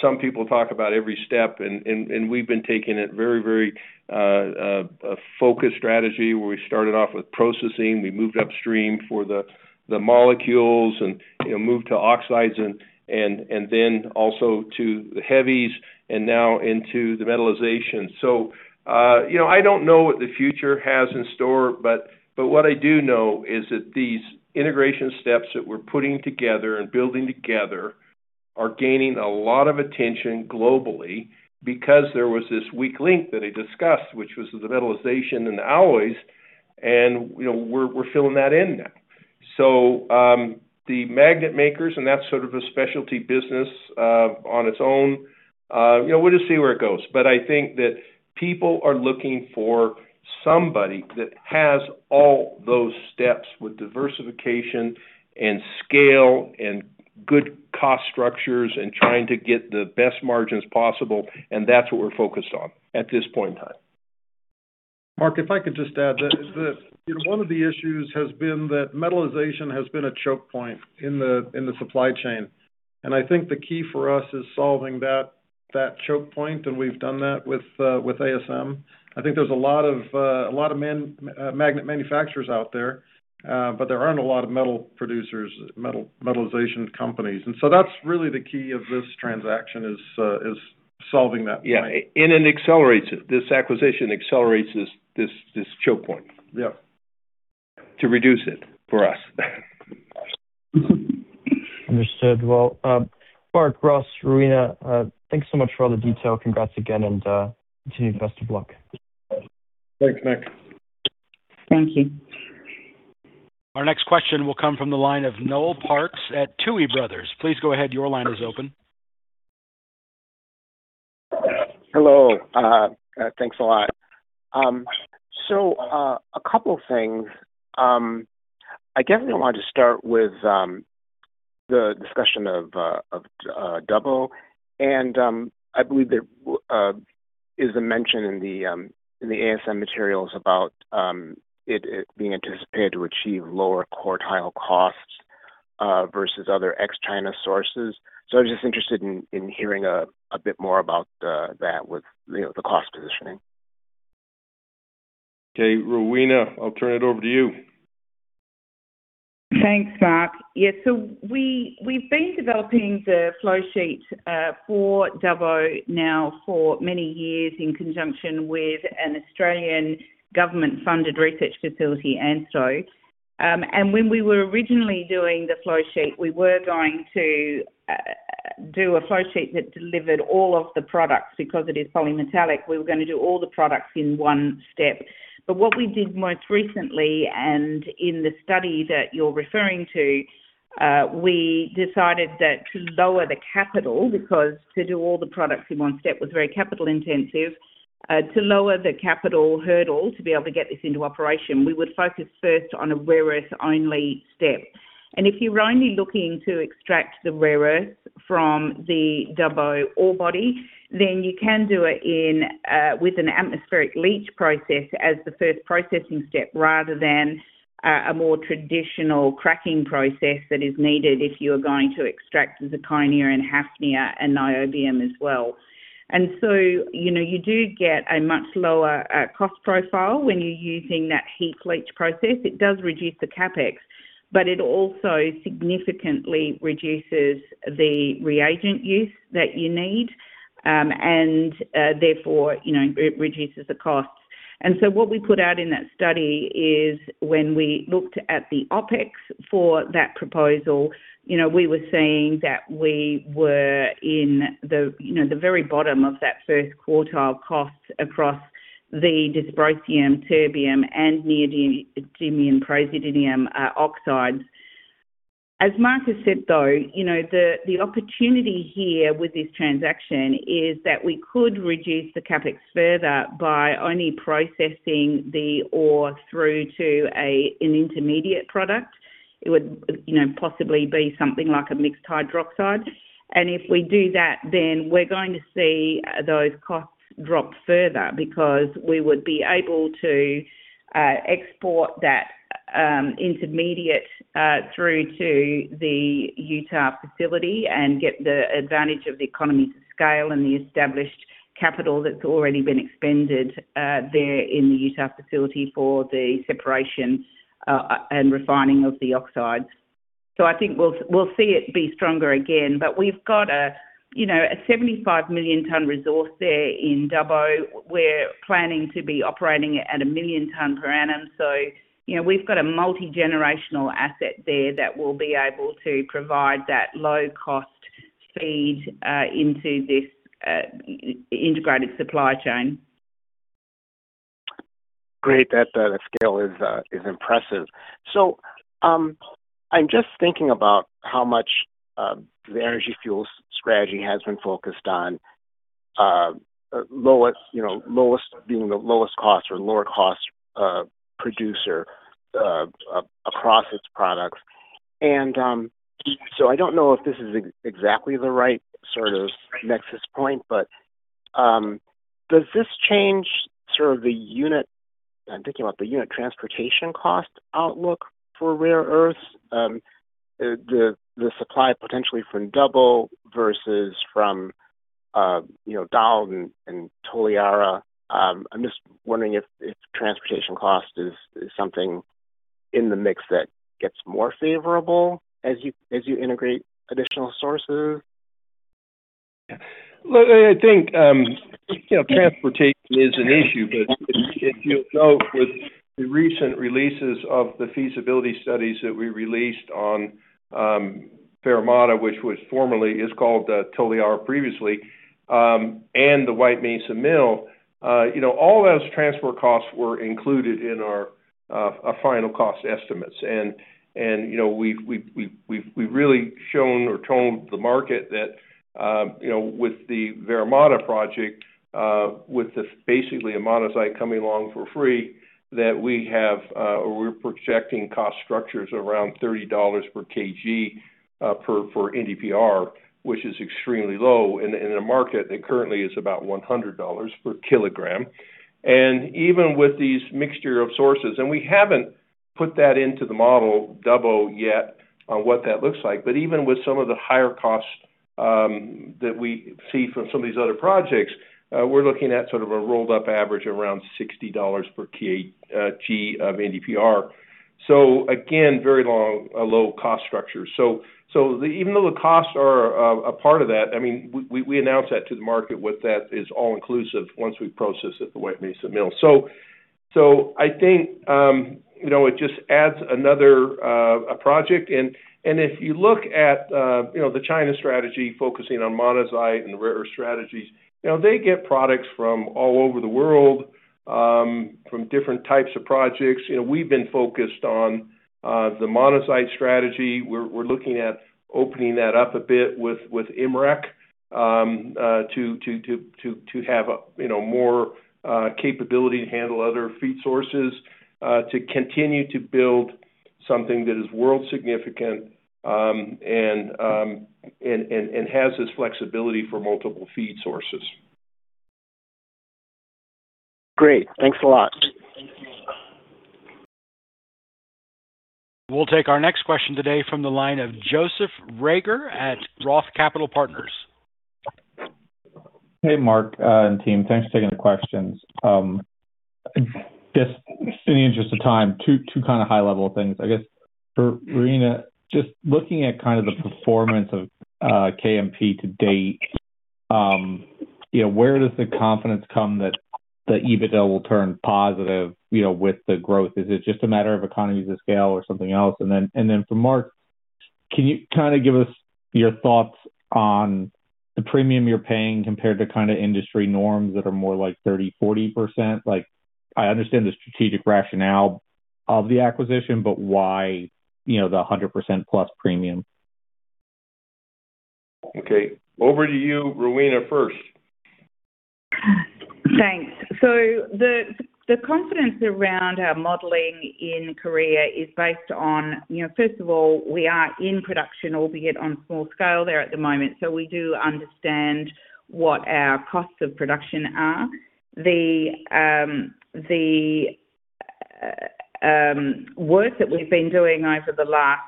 Some people talk about every step, and we've been taking it very, very focused strategy where we started off with processing, we moved upstream for the molecules, and moved to oxides, and then also to the heavies, and now into the metallization, so I don't know what the future has in store, but what I do know is that these integration steps that we're putting together and building together are gaining a lot of attention globally because there was this weak link that I discussed, which was the metallization and the alloys, and we're filling that in now. So the magnet makers, and that's sort of a specialty business on its own, we'll just see where it goes. But I think that people are looking for somebody that has all those steps with diversification and scale and good cost structures and trying to get the best margins possible. And that's what we're focused on at this point in time. Mark, if I could just add that one of the issues has been that metallization has been a choke point in the supply chain. And I think the key for us is solving that choke point, and we've done that with ASM. I think there's a lot of magnet manufacturers out there, but there aren't a lot of metal producers, metallization companies. And so that's really the key of this transaction is solving that point. Yeah, and it accelerates it. This acquisition accelerates this choke point to reduce it for us. Understood. Well, Mark, Ross, Rowena, thanks so much for all the detail. Congrats again, and continue the best of luck. Thanks, Nick. Thank you. Our next question will come from the line of Noel Parks at Tuohy Brothers. Please go ahead. Your line is open. Hello. Thanks a lot, so a couple of things. I definitely wanted to start with the discussion of Dubbo, and I believe there is a mention in the ASM materials about it being anticipated to achieve lower quartile costs versus other ex-China sources, so I was just interested in hearing a bit more about that with the cost positioning? Okay. Rowena, I'll turn it over to you. Thanks, Mark. Yeah. So we've been developing the flowsheet for Dubbo now for many years in conjunction with an Australian government-funded research facility, ANSTO, and when we were originally doing the flowsheet, we were going to do a flowsheet that delivered all of the products because it is polymetallic. We were going to do all the products in one step, but what we did most recently, and in the study that you're referring to, we decided that to lower the capital because to do all the products in one step was very capital intensive. To lower the capital hurdle to be able to get this into operation, we would focus first on a rare earth-only step. If you're only looking to extract the rare earth from the Dubbo ore body, then you can do it with an atmospheric leach process as the first processing step rather than a more traditional cracking process that is needed if you are going to extract the zirconia and hafnia and niobium as well. And so you do get a much lower cost profile when you're using that atmospheric leach process. It does reduce the CapEx, but it also significantly reduces the reagent use that you need, and therefore, it reduces the costs. And so what we put out in that study is when we looked at the OpEx for that proposal, we were saying that we were in the very bottom of that first quartile cost across the dysprosium, terbium, and neodymium praseodymium oxides. As Mark has said, though, the opportunity here with this transaction is that we could reduce the CapEx further by only processing the ore through to an intermediate product. It would possibly be something like a mixed hydroxide, and if we do that, then we're going to see those costs drop further because we would be able to export that intermediate through to the Utah facility and get the advantage of the economies of scale and the established capital that's already been expended there in the Utah facility for the separation and refining of the oxides, so I think we'll see it be stronger again, but we've got a 75-million-ton resource there in Dubbo. We're planning to be operating at a million ton per annum, so we've got a multi-generational asset there that will be able to provide that low-cost feed into this integrated supply chain. Great. That scale is impressive. So I'm just thinking about how much the Energy Fuels strategy has been focused on lowest being the lowest cost or lower-cost producer across its products. And so I don't know if this is exactly the right sort of nexus point, but does this change sort of the unit I'm thinking about the unit transportation cost outlook for rare-earths, the supply potentially from Dubbo versus from Donald and Toliara? I'm just wondering if transportation cost is something in the mix that gets more favorable as you integrate additional sources. Look, I think transportation is an issue, but if you'll note with the recent releases of the feasibility studies that we released on Toliara, which was formerly called Toliara previously, and the White Mesa Mill, all those transport costs were included in our final cost estimates. And we've really shown or told the market that with the Toliara project, with basically a monazite coming along for free, that we have or we're projecting cost structures around $30 per kg for NdPr, which is extremely low in a market that currently is about $100 per kilogram. And even with these mixture of sources, and we haven't put that into the model Dubbo yet on what that looks like, but even with some of the higher costs that we see from some of these other projects, we're looking at sort of a rolled-up average of around $60 per kg of NdPr. So again, very long low-cost structures. So even though the costs are a part of that, I mean, we announced that to the market with that is all-inclusive once we process at the White Mesa Mill. So I think it just adds another project. And if you look at the China strategy focusing on monazite and rare earth strategies, they get products from all over the world, from different types of projects. We've been focused on the monazite strategy. We're looking at opening that up a bit with IMREC to have more capability to handle other feed sources, to continue to build something that is world-significant and has this flexibility for multiple feed sources. Great. Thanks a lot. We'll take our next question today from the line of Joseph Joseph Reagor at Roth Capital Partners. Hey, Mark and team. Thanks for taking the questions. Just in the interest of time, two kind of high-level things. I guess, Rowena, just looking at kind of the performance of KMP to date, where does the confidence come that the EBITDA will turn positive with the growth? Is it just a matter of economies of scale or something else? And then for Mark, can you kind of give us your thoughts on the premium you're paying compared to kind of industry norms that are more like 30%-40%? I understand the strategic rationale of the acquisition, but why the 100% plus premium? Okay. Over to you, Rowena, first. Thanks, so the confidence around our modeling in Korea is based on, first of all, we are in production, albeit on small scale there at the moment. So we do understand what our costs of production are. The work that we've been doing over the last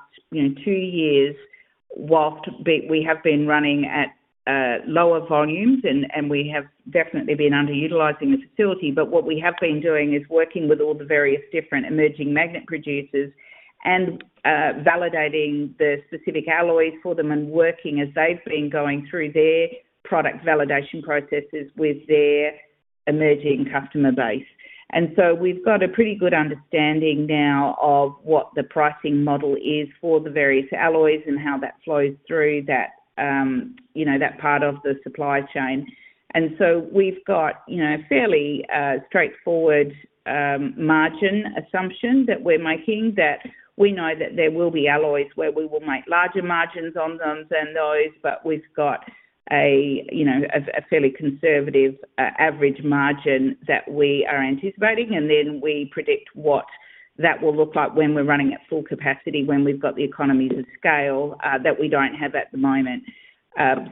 two years, while we have been running at lower volumes, and we have definitely been underutilizing the facility, but what we have been doing is working with all the various different emerging magnet producers and validating the specific alloys for them and working as they've been going through their product validation processes with their emerging customer base, and so we've got a pretty good understanding now of what the pricing model is for the various alloys and how that flows through that part of the supply chain. And so we've got a fairly straightforward margin assumption that we're making that we know that there will be alloys where we will make larger margins on them than those, but we've got a fairly conservative average margin that we are anticipating. And then we predict what that will look like when we're running at full capacity, when we've got the economies of scale that we don't have at the moment.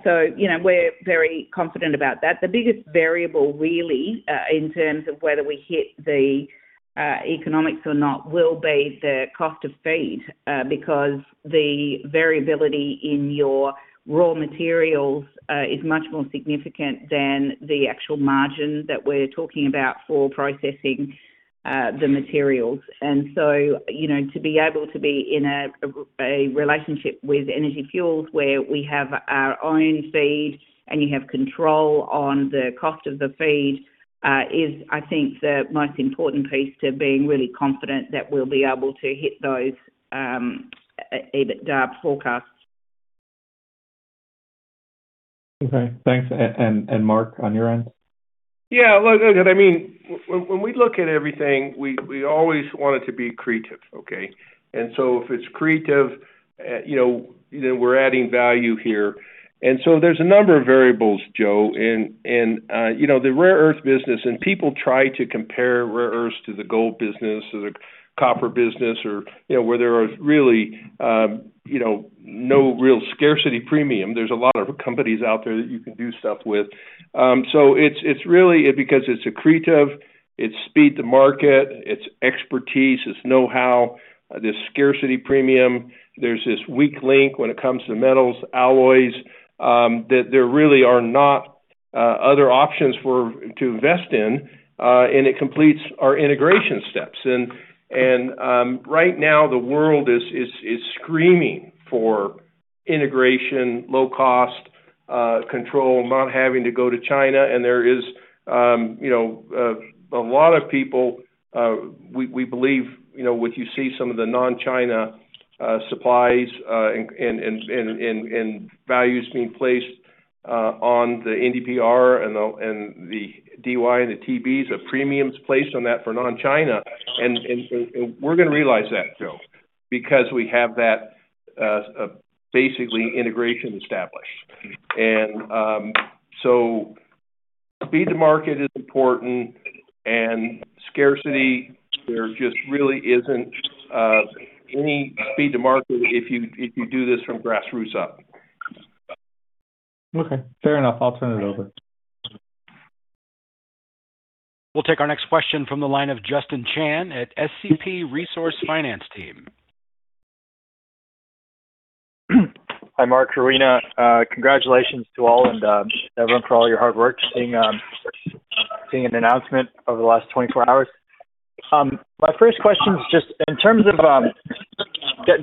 So we're very confident about that. The biggest variable really in terms of whether we hit the economics or not will be the cost of feed because the variability in your raw materials is much more significant than the actual margin that we're talking about for processing the materials. And so to be able to be in a relationship with Energy Fuels where we have our own feed and you have control on the cost of the feed is, I think, the most important piece to being really confident that we'll be able to hit those EBITDA forecasts. Okay. Thanks. And Mark, on your end? Yeah. Look, I mean, when we look at everything, we always want it to be creative, okay? And so if it's creative, then we're adding value here. And so there's a number of variables, Joe. And the rare earth business, and people try to compare rare-earths to the gold business or the copper business or where there are really no real scarcity premium. There's a lot of companies out there that you can do stuff with. So it's really because it's accretive, it's speed-to-market, it's expertise, it's know-how, there's scarcity premium. There's this weak link when it comes to metals, alloys, that there really are not other options to invest in, and it completes our integration steps. And right now, the world is screaming for integration, low-cost control, not having to go to China. And there is a lot of people, we believe, what you see some of the non-China supplies and values being placed on the NdPr and the Dy and the Tbs, the premiums placed on that for non-China. And we're going to realize that, Joe, because we have that basically integration established. And so speed-to-market is important, and scarcity, there just really isn't any speed-to-market if you do this from grassroots up. Okay. Fair enough. I'll turn it over. We'll take our next question from the line of Justin Chan at SCP Resource Finance team. Hi, Mark, Rowena, congratulations to all and everyone for all your hard work seeing an announcement over the last 24 hours. My first question is just in terms of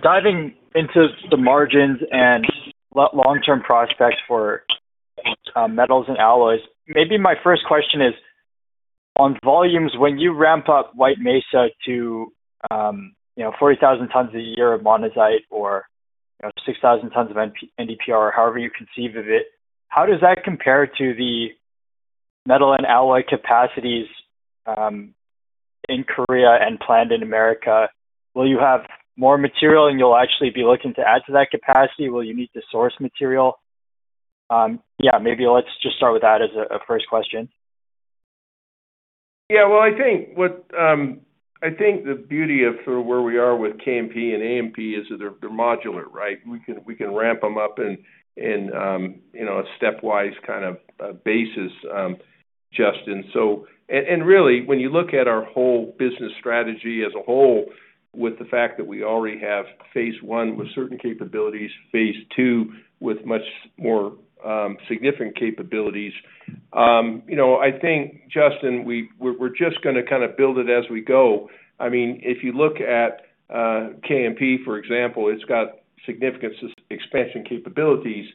diving into the margins and long-term prospects for metals and alloys. Maybe my first question is on volumes. When you ramp up White Mesa to 40,000 tons a year of monazite or 6,000 tons of NdPr or however you conceive of it, how does that compare to the metal and alloy capacities in Korea and planned in America? Will you have more material and you'll actually be looking to add to that capacity? Will you need to source material? Yeah, maybe let's just start with that as a first question. Yeah. Well, I think the beauty of sort of where we are with KMP and AMP is that they're modular, right? We can ramp them up in a stepwise kind of basis, Justin. And really, when you look at our whole business strategy as a whole with the fact that we already have phase I with certain capabilities, phase II with much more significant capabilities, I think, Justin, we're just going to kind of build it as we go. I mean, if you look at KMP, for example, it's got significant expansion capabilities.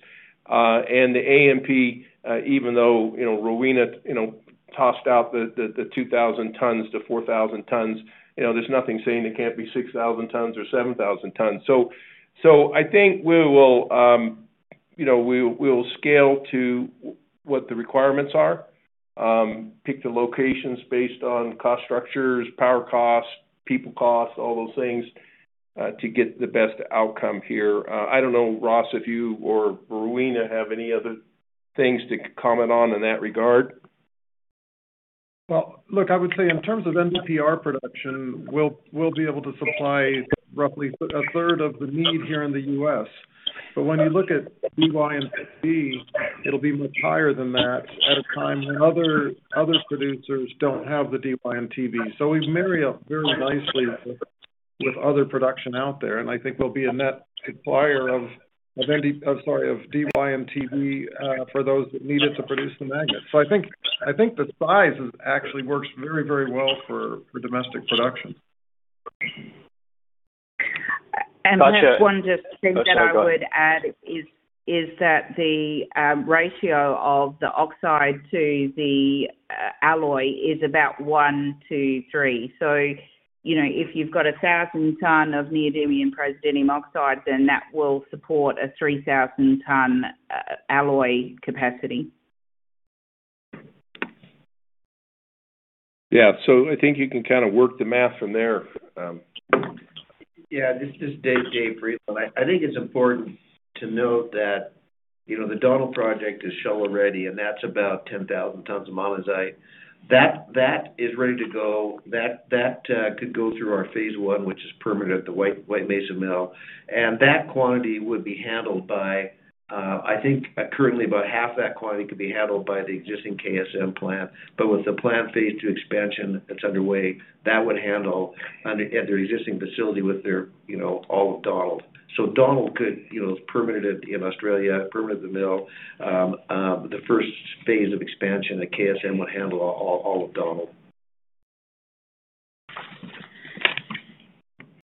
And the AMP, even though Rowena tossed out the 2,000 tons-4,000 tons, there's nothing saying it can't be 6,000 tons or 7,000 tons. So I think we will scale to what the requirements are, pick the locations based on cost structures, power costs, people costs, all those things to get the best outcome here. I don't know, Ross, if you or Rowena have any other things to comment on in that regard? Well, look, I would say in terms of NDPR production, we'll be able to supply roughly 1/3 of the need here in the U.S. But when you look at DY and TB, it'll be much higher than that at a time when other producers don't have the DY and TB. So we've married up very nicely with other production out there. And I think we'll be a net supplier of DY and TB for those that need it to produce the magnets. So I think the size actually works very, very well for domestic production. One just thing that I would add is that the ratio of the oxide to the alloy is about 1 to 3. So if you've got 1,000 tons of neodymium praseodymium oxide, then that will support a 3,000-ton alloy capacity. Yeah. So I think you can kind of work the math from there. Yeah. This is Dave Frydenlund. I think it's important to note that the Donald Project is shovel ready already, and that's about 10,000 tons of monazite. That is ready to go. That could go through our phase I, which is permitted at the White Mesa Mill. And that quantity would be handled by, I think, currently about half that quantity could be handled by the existing KMP plant. But with the planned phase II expansion that's underway, that would handle at their existing facility with all of Donald. So Donald could, permitted in Australia, permitted at the mill, the first phase of expansion at KMP would handle all of Donald.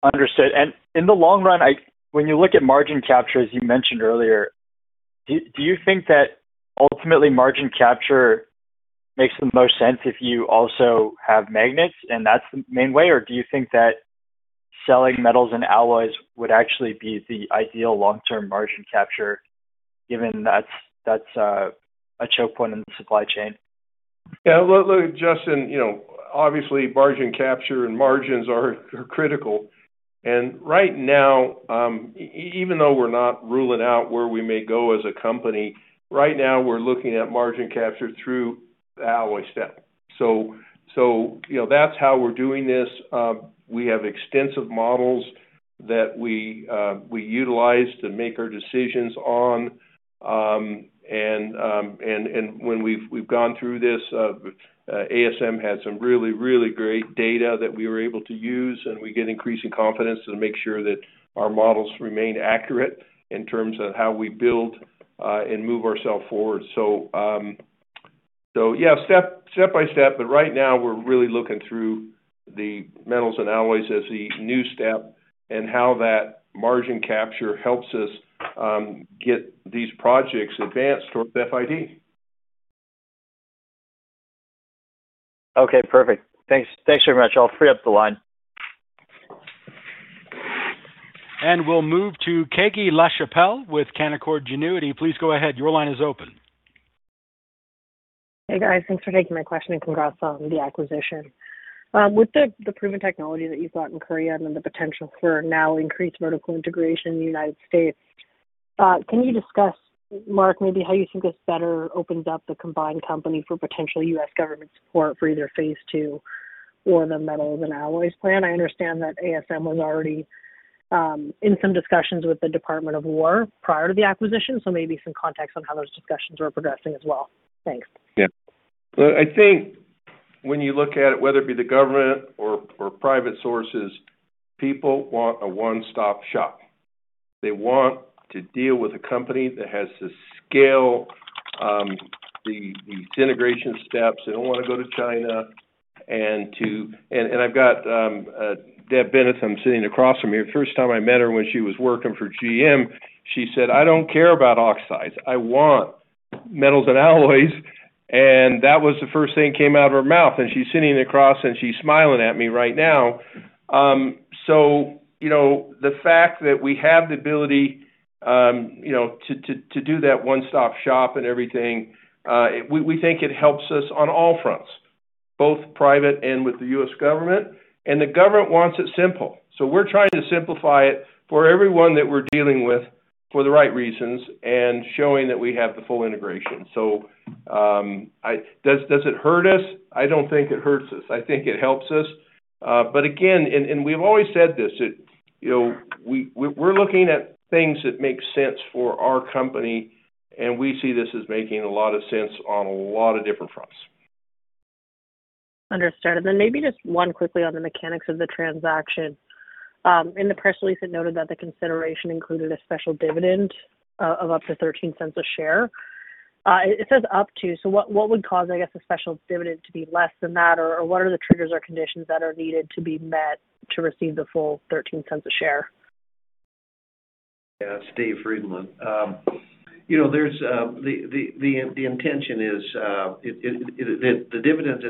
Understood. And in the long run, when you look at margin capture, as you mentioned earlier, do you think that ultimately margin capture makes the most sense if you also have magnets and that's the main way? Or do you think that selling metals and alloys would actually be the ideal long-term margin capture given that's a choke point in the supply chain? Yeah. Look, Justin, obviously, margin capture and margins are critical, and right now, even though we're not ruling out where we may go as a company, right now we're looking at margin capture through the alloy step, so that's how we're doing this. We have extensive models that we utilize to make our decisions on, and when we've gone through this, ASM had some really, really great data that we were able to use, and we get increasing confidence to make sure that our models remain accurate in terms of how we build and move ourselves forward, so yeah, step by step, but right now, we're really looking through the metals and alloys as the new step and how that margin capture helps us get these projects advanced towards FID. Okay. Perfect. Thanks very much. I'll free up the line. We'll move to Katie Lachapelle with Canaccord Genuity. Please go ahead. Your line is open. Hey, guys. Thanks for taking my question and congrats on the acquisition. With the proven technology that you've got in Korea and then the potential for now increased vertical integration in the United States, can you discuss, Mark, maybe how you think this better opens up the combined company for potential U.S. government support for either phase II or the metals and alloys plant? I understand that ASM was already in some discussions with the Department of Defense prior to the acquisition, so maybe some context on how those discussions were progressing as well. Thanks. Yeah. I think when you look at it, whether it be the government or private sources, people want a one-stop shop. They want to deal with a company that has to scale these integration steps. They don't want to go to China, and I've got Deb Bennett. I'm sitting across from her. First time I met her when she was working for GM, she said, "I don't care about oxides. I want metals and alloys," and that was the first thing that came out of her mouth, and she's sitting across from me and she's smiling at me right now, so the fact that we have the ability to do that one-stop shop and everything, we think it helps us on all fronts, both private and with the U.S. government, and the government wants it simple. So we're trying to simplify it for everyone that we're dealing with for the right reasons and showing that we have the full integration. So does it hurt us? I don't think it hurts us. I think it helps us. But again, and we've always said this, we're looking at things that make sense for our company, and we see this as making a lot of sense on a lot of different fronts. Understood. And then maybe just one quickly on the mechanics of the transaction. In the press release, it noted that the consideration included a special dividend of up to 0.13 a share. It says up to. So what would cause, I guess, a special dividend to be less than that? Or what are the triggers or conditions that are needed to be met to receive the full 0.13 a share? Yeah. It's Dave Frydenlund. The intention is that the dividend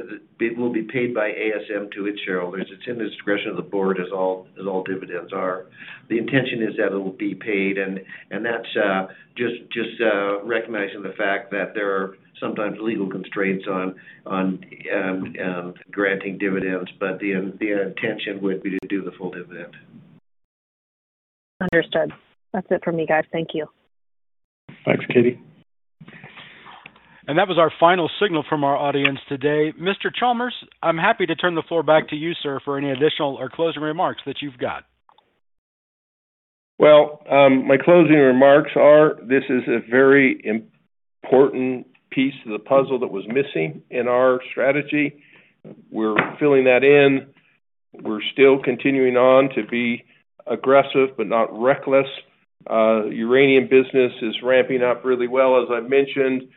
will be paid by ASM to its shareholders. It's in the discretion of the board as all dividends are. The intention is that it will be paid. That's just recognizing the fact that there are sometimes legal constraints on granting dividends, but the intention would be to do the full dividend. Understood. That's it for me, guys. Thank you. Thanks, Katie. That was our final signal from our audience today. Mr. Chalmers, I'm happy to turn the floor back to you, sir, for any additional or closing remarks that you've got. My closing remarks are, this is a very important piece of the puzzle that was missing in our strategy. We're filling that in. We're still continuing on to be aggressive but not reckless. Uranium business is ramping up really well, as I've mentioned.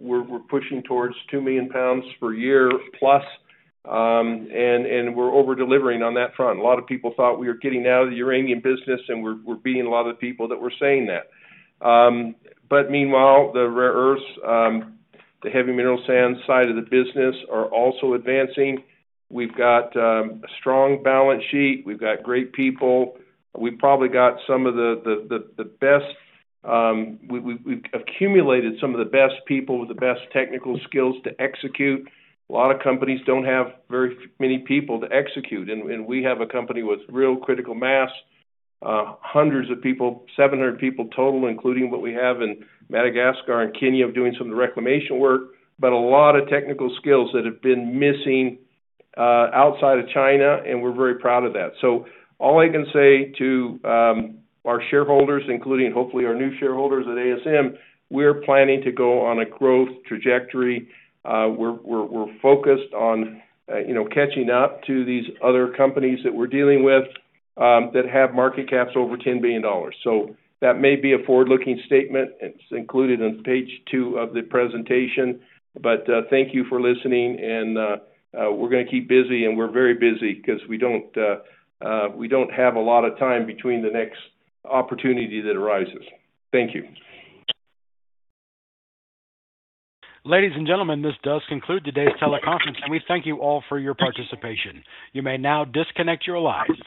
We're pushing towards 2 million pounds per year plus. And we're over-delivering on that front. A lot of people thought we were getting out of the uranium business, and we're beating a lot of the people that were saying that. But meanwhile, the rare-earths, the heavy mineral sands side of the business are also advancing. We've got a strong balance sheet. We've got great people. We've probably got some of the best. We've accumulated some of the best people with the best technical skills to execute. A lot of companies don't have very many people to execute. We have a company with real critical mass, hundreds of people, 700 people total, including what we have in Madagascar and Kenya of doing some of the reclamation work, but a lot of technical skills that have been missing outside of China. And we're very proud of that. So all I can say to our shareholders, including hopefully our new shareholders at ASM, we're planning to go on a growth trajectory. We're focused on catching up to these other companies that we're dealing with that have market caps over $10 billion. So that may be a forward-looking statement. It's included on page two of the presentation. But thank you for listening. And we're going to keep busy, and we're very busy because we don't have a lot of time between the next opportunity that arises. Thank you. Ladies and gentlemen, this does conclude today's teleconference, and we thank you all for your participation. You may now disconnect your lines.